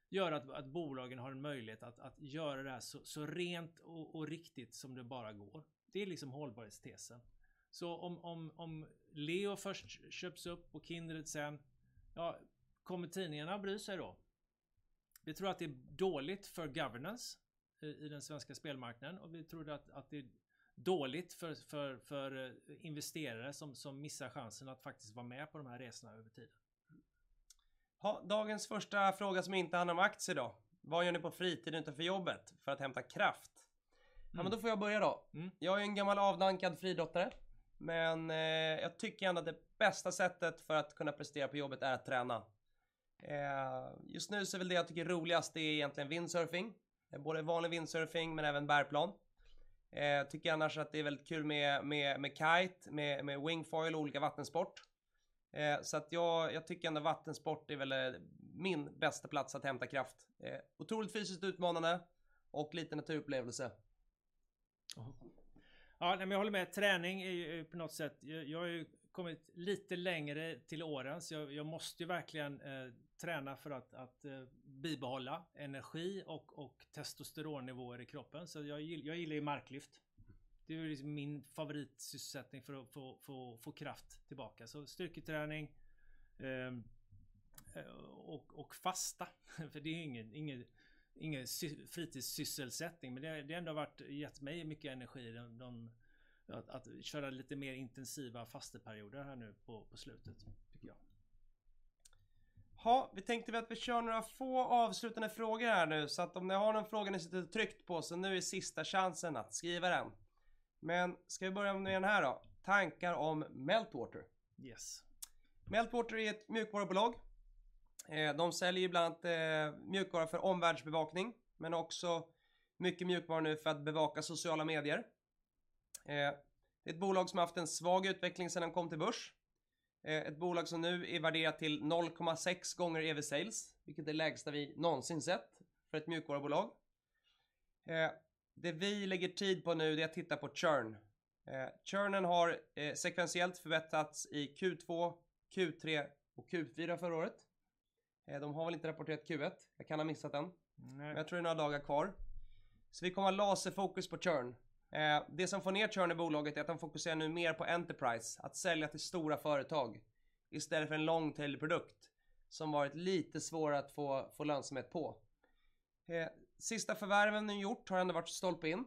göra att bolagen har en möjlighet att göra det här så rent och riktigt som det bara går. Det är liksom hållbarhetstesen. Om Leo först köps upp och Kindred sen, ja, kommer tidningarna bry sig då? Vi tror att det är dåligt för governance i den svenska spelmarknaden och vi tror att det är dåligt för investerare som missar chansen att faktiskt vara med på de här resorna över tid. Dagens första fråga som inte handlar om aktier. Vad gör ni på fritiden utanför jobbet för att hämta kraft? Men då får jag börja. Jag är en gammal avdankad fridrottare, men jag tycker ändå att det bästa sättet för att kunna prestera på jobbet är att träna. Just nu så är väl det jag tycker är roligast egentligen vindsurfing. Både vanlig vindsurfing men även bärplan. Tycker annars att det är väldigt kul med kite, med wing foil och olika vattensport. Så att jag tycker ändå vattensport är väl min bästa plats att hämta kraft. Otroligt fysiskt utmanande och lite naturupplevelse. Ja, nej jag håller med. Träning är ju på något sätt. Jag har ju kommit lite längre till åren, så jag måste ju verkligen träna för att bibehålla energi och testosteronnivåer i kroppen. Jag gillar ju marklyft. Det är liksom min favoritsysselsättning för att få kraft tillbaka. Styrketräning och fasta. För det är ingen fritidssysselsättning, men det har ändå gett mig mycket energi att köra lite mer intensiva fasteperioder här nu på slutet tycker jag. Jaha, vi tänkte väl att vi kör några få avslutande frågor här nu. Att om ni har någon fråga ni sitter tryckt på, så nu är sista chansen att skriva den. Ska vi börja med den här då? Tankar om Meltwater? Yes. Meltwater är ett mjukvarubolag. De säljer bland annat mjukvara för omvärldsbevakning, men också mycket mjukvara nu för att bevaka sociala medier. Det är ett bolag som haft en svag utveckling sedan de kom till börs. Ett bolag som nu är värderat till 0.6x EV/Sales, vilket är det lägsta vi någonsin sett för ett mjukvarubolag. Det vi lägger tid på nu är att titta på churn. Churnen har sekventiellt förbättrats i Q2, Q3 och Q4 förra året. De har väl inte rapporterat Q1. Jag kan ha missat den. Jag tror det är några dagar kvar. Vi kommer ha laserfokus på churn. Det som får ner churn i bolaget är att de fokuserar nu mer på enterprise, att sälja till stora företag istället för en long tail-produkt som varit lite svår att få lönsamhet på. Sista förvärven de gjort har ändå varit Stolpin.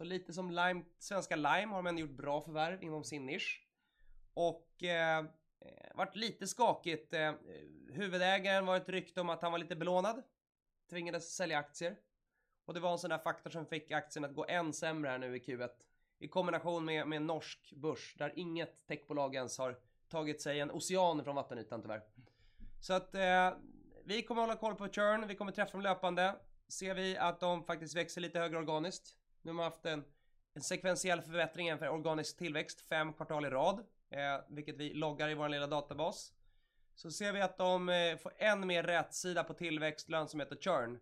Lite som Lime, svenska Lime har de ändå gjort bra förvärv inom sin nisch. Det har varit lite skakigt. Huvudägaren var ett rykte om att han var lite belånad, tvingades sälja aktier. Det var en sån där faktor som fick aktien att gå än sämre här nu i Q1. I kombination med norsk börs där inget techbolag ens har tagit sig en ocean från vattenytan tyvärr. Vi kommer hålla koll på churn, vi kommer träffa dem löpande. Ser vi att de faktiskt växer lite högre organiskt. Nu har man haft en sekventiell förbättring jämfört med organisk tillväxt fem kvartal i rad, vilket vi loggar i vår lilla databas. Ser vi att de får än mer rätsida på tillväxt, lönsamhet och churn.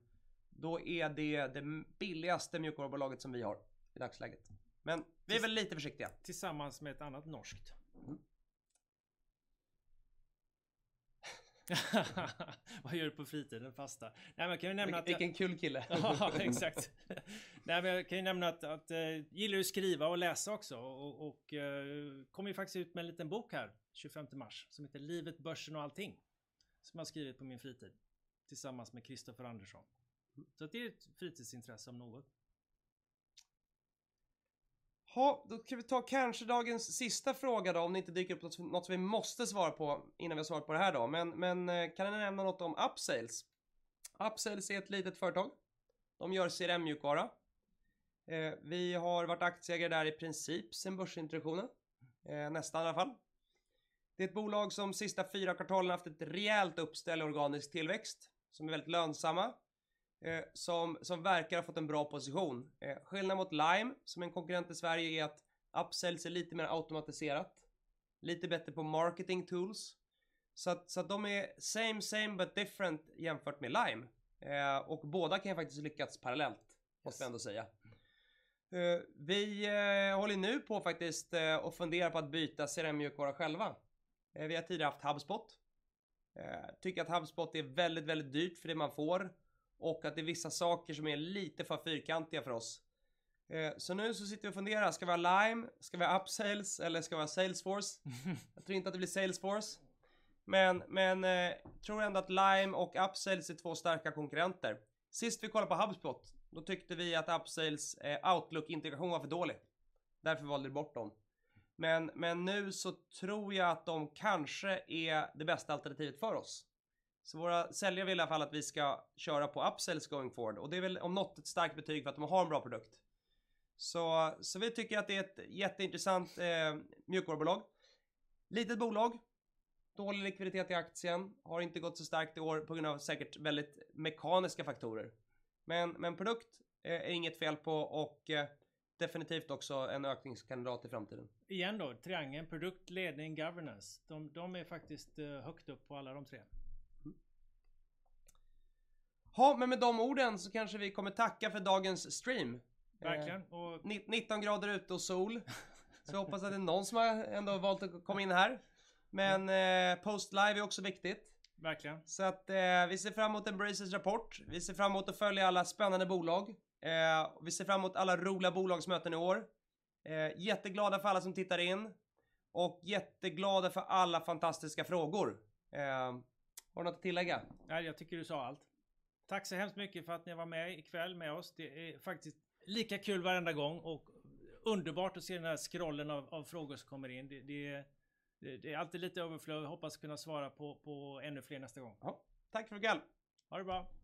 Då är det billigaste mjukvarubolaget som vi har i dagsläget. Men vi är väl lite försiktiga. Tillsammans med ett annat norskt. Mm. Vad gör du på fritiden? Fasta. Nej, men jag kan ju nämna att Vilken kul kille. Ja, exakt. Nej, men jag kan ju nämna att jag gillar ju att skriva och läsa också, och kommer ju faktiskt ut med en liten bok här 25 mars som heter "Livet, börsen och allting", som jag har skrivit på min fritid tillsammans med Christoffer Andersson. Det är ett fritidsintresse om något. Jaha, då ska vi ta kanske dagens sista fråga om det inte dyker upp något som vi måste svara på innan vi har svarat på det här. Kan ni nämna något om Upsales? Upsales är ett litet företag. De gör CRM-mjukvara. Vi har varit aktieägare där i princip sen börsintroduktionen, nästan i alla fall. Det är ett bolag som sista fyra kvartalen haft ett rejält uppsväng i organisk tillväxt, som är väldigt lönsamma, som verkar ha fått en bra position. Skillnaden mot Lime, som är en konkurrent i Sverige, är att Upsales är lite mer automatiserat, lite bättre på marketing tools. De är same but different jämfört med Lime. Båda kan faktiskt lyckas parallellt måste jag ändå säga. Vi håller nu på att fundera på att byta CRM-mjukvara själva. Vi har tidigare haft HubSpot. Tycker att HubSpot är väldigt dyrt för det man får och att det är vissa saker som är lite för fyrkantiga för oss. Nu sitter vi och funderar, ska vi ha Lime? Ska vi ha Upsales? Eller ska vi ha Salesforce? Jag tror inte att det blir Salesforce, men tror ändå att Lime och Upsales är två starka konkurrenter. Sist vi kollade på HubSpot, då tyckte vi att Upsales Outlook-integration var för dålig. Därför valde vi bort dem. Nu tror jag att de kanske är det bästa alternativet för oss. Våra säljare vill i alla fall att vi ska köra på Upsales going forward. Det är väl om något ett starkt betyg för att de har en bra produkt. Vi tycker att det är ett jätteintressant mjukvarubolag. Litet bolag, dålig likviditet i aktien, har inte gått så starkt i år på grund av säkert väldigt mekaniska faktorer. Produkt är inget fel på och definitivt också en ökningskandidat i framtiden. Igen då, triangeln, produkt, ledning, governance. De är faktiskt högt upp på alla de tre. Jaha, men med de orden så kanske vi kommer tacka för dagens stream. Verkligen. 19 grader ute och sol. Jag hoppas att det är någon som har ändå valt att komma in här. Post live är också viktigt. Verkligen. Så att vi ser fram emot Embracer's rapport. Vi ser fram emot att följa alla spännande bolag. Vi ser fram emot alla roliga bolagsmöten i år. Jätteglada för alla som tittar in och jätteglada för alla fantastiska frågor. Har du något att tillägga? Nej, jag tycker du sa allt. Tack så hemskt mycket för att ni var med i kväll med oss. Det är faktiskt lika kul varenda gång och underbart att se den här scrollen av frågor som kommer in. Det är alltid lite overflow. Hoppas kunna svara på ännu fler nästa gång. Ja, tack för ikväll. Ha det bra.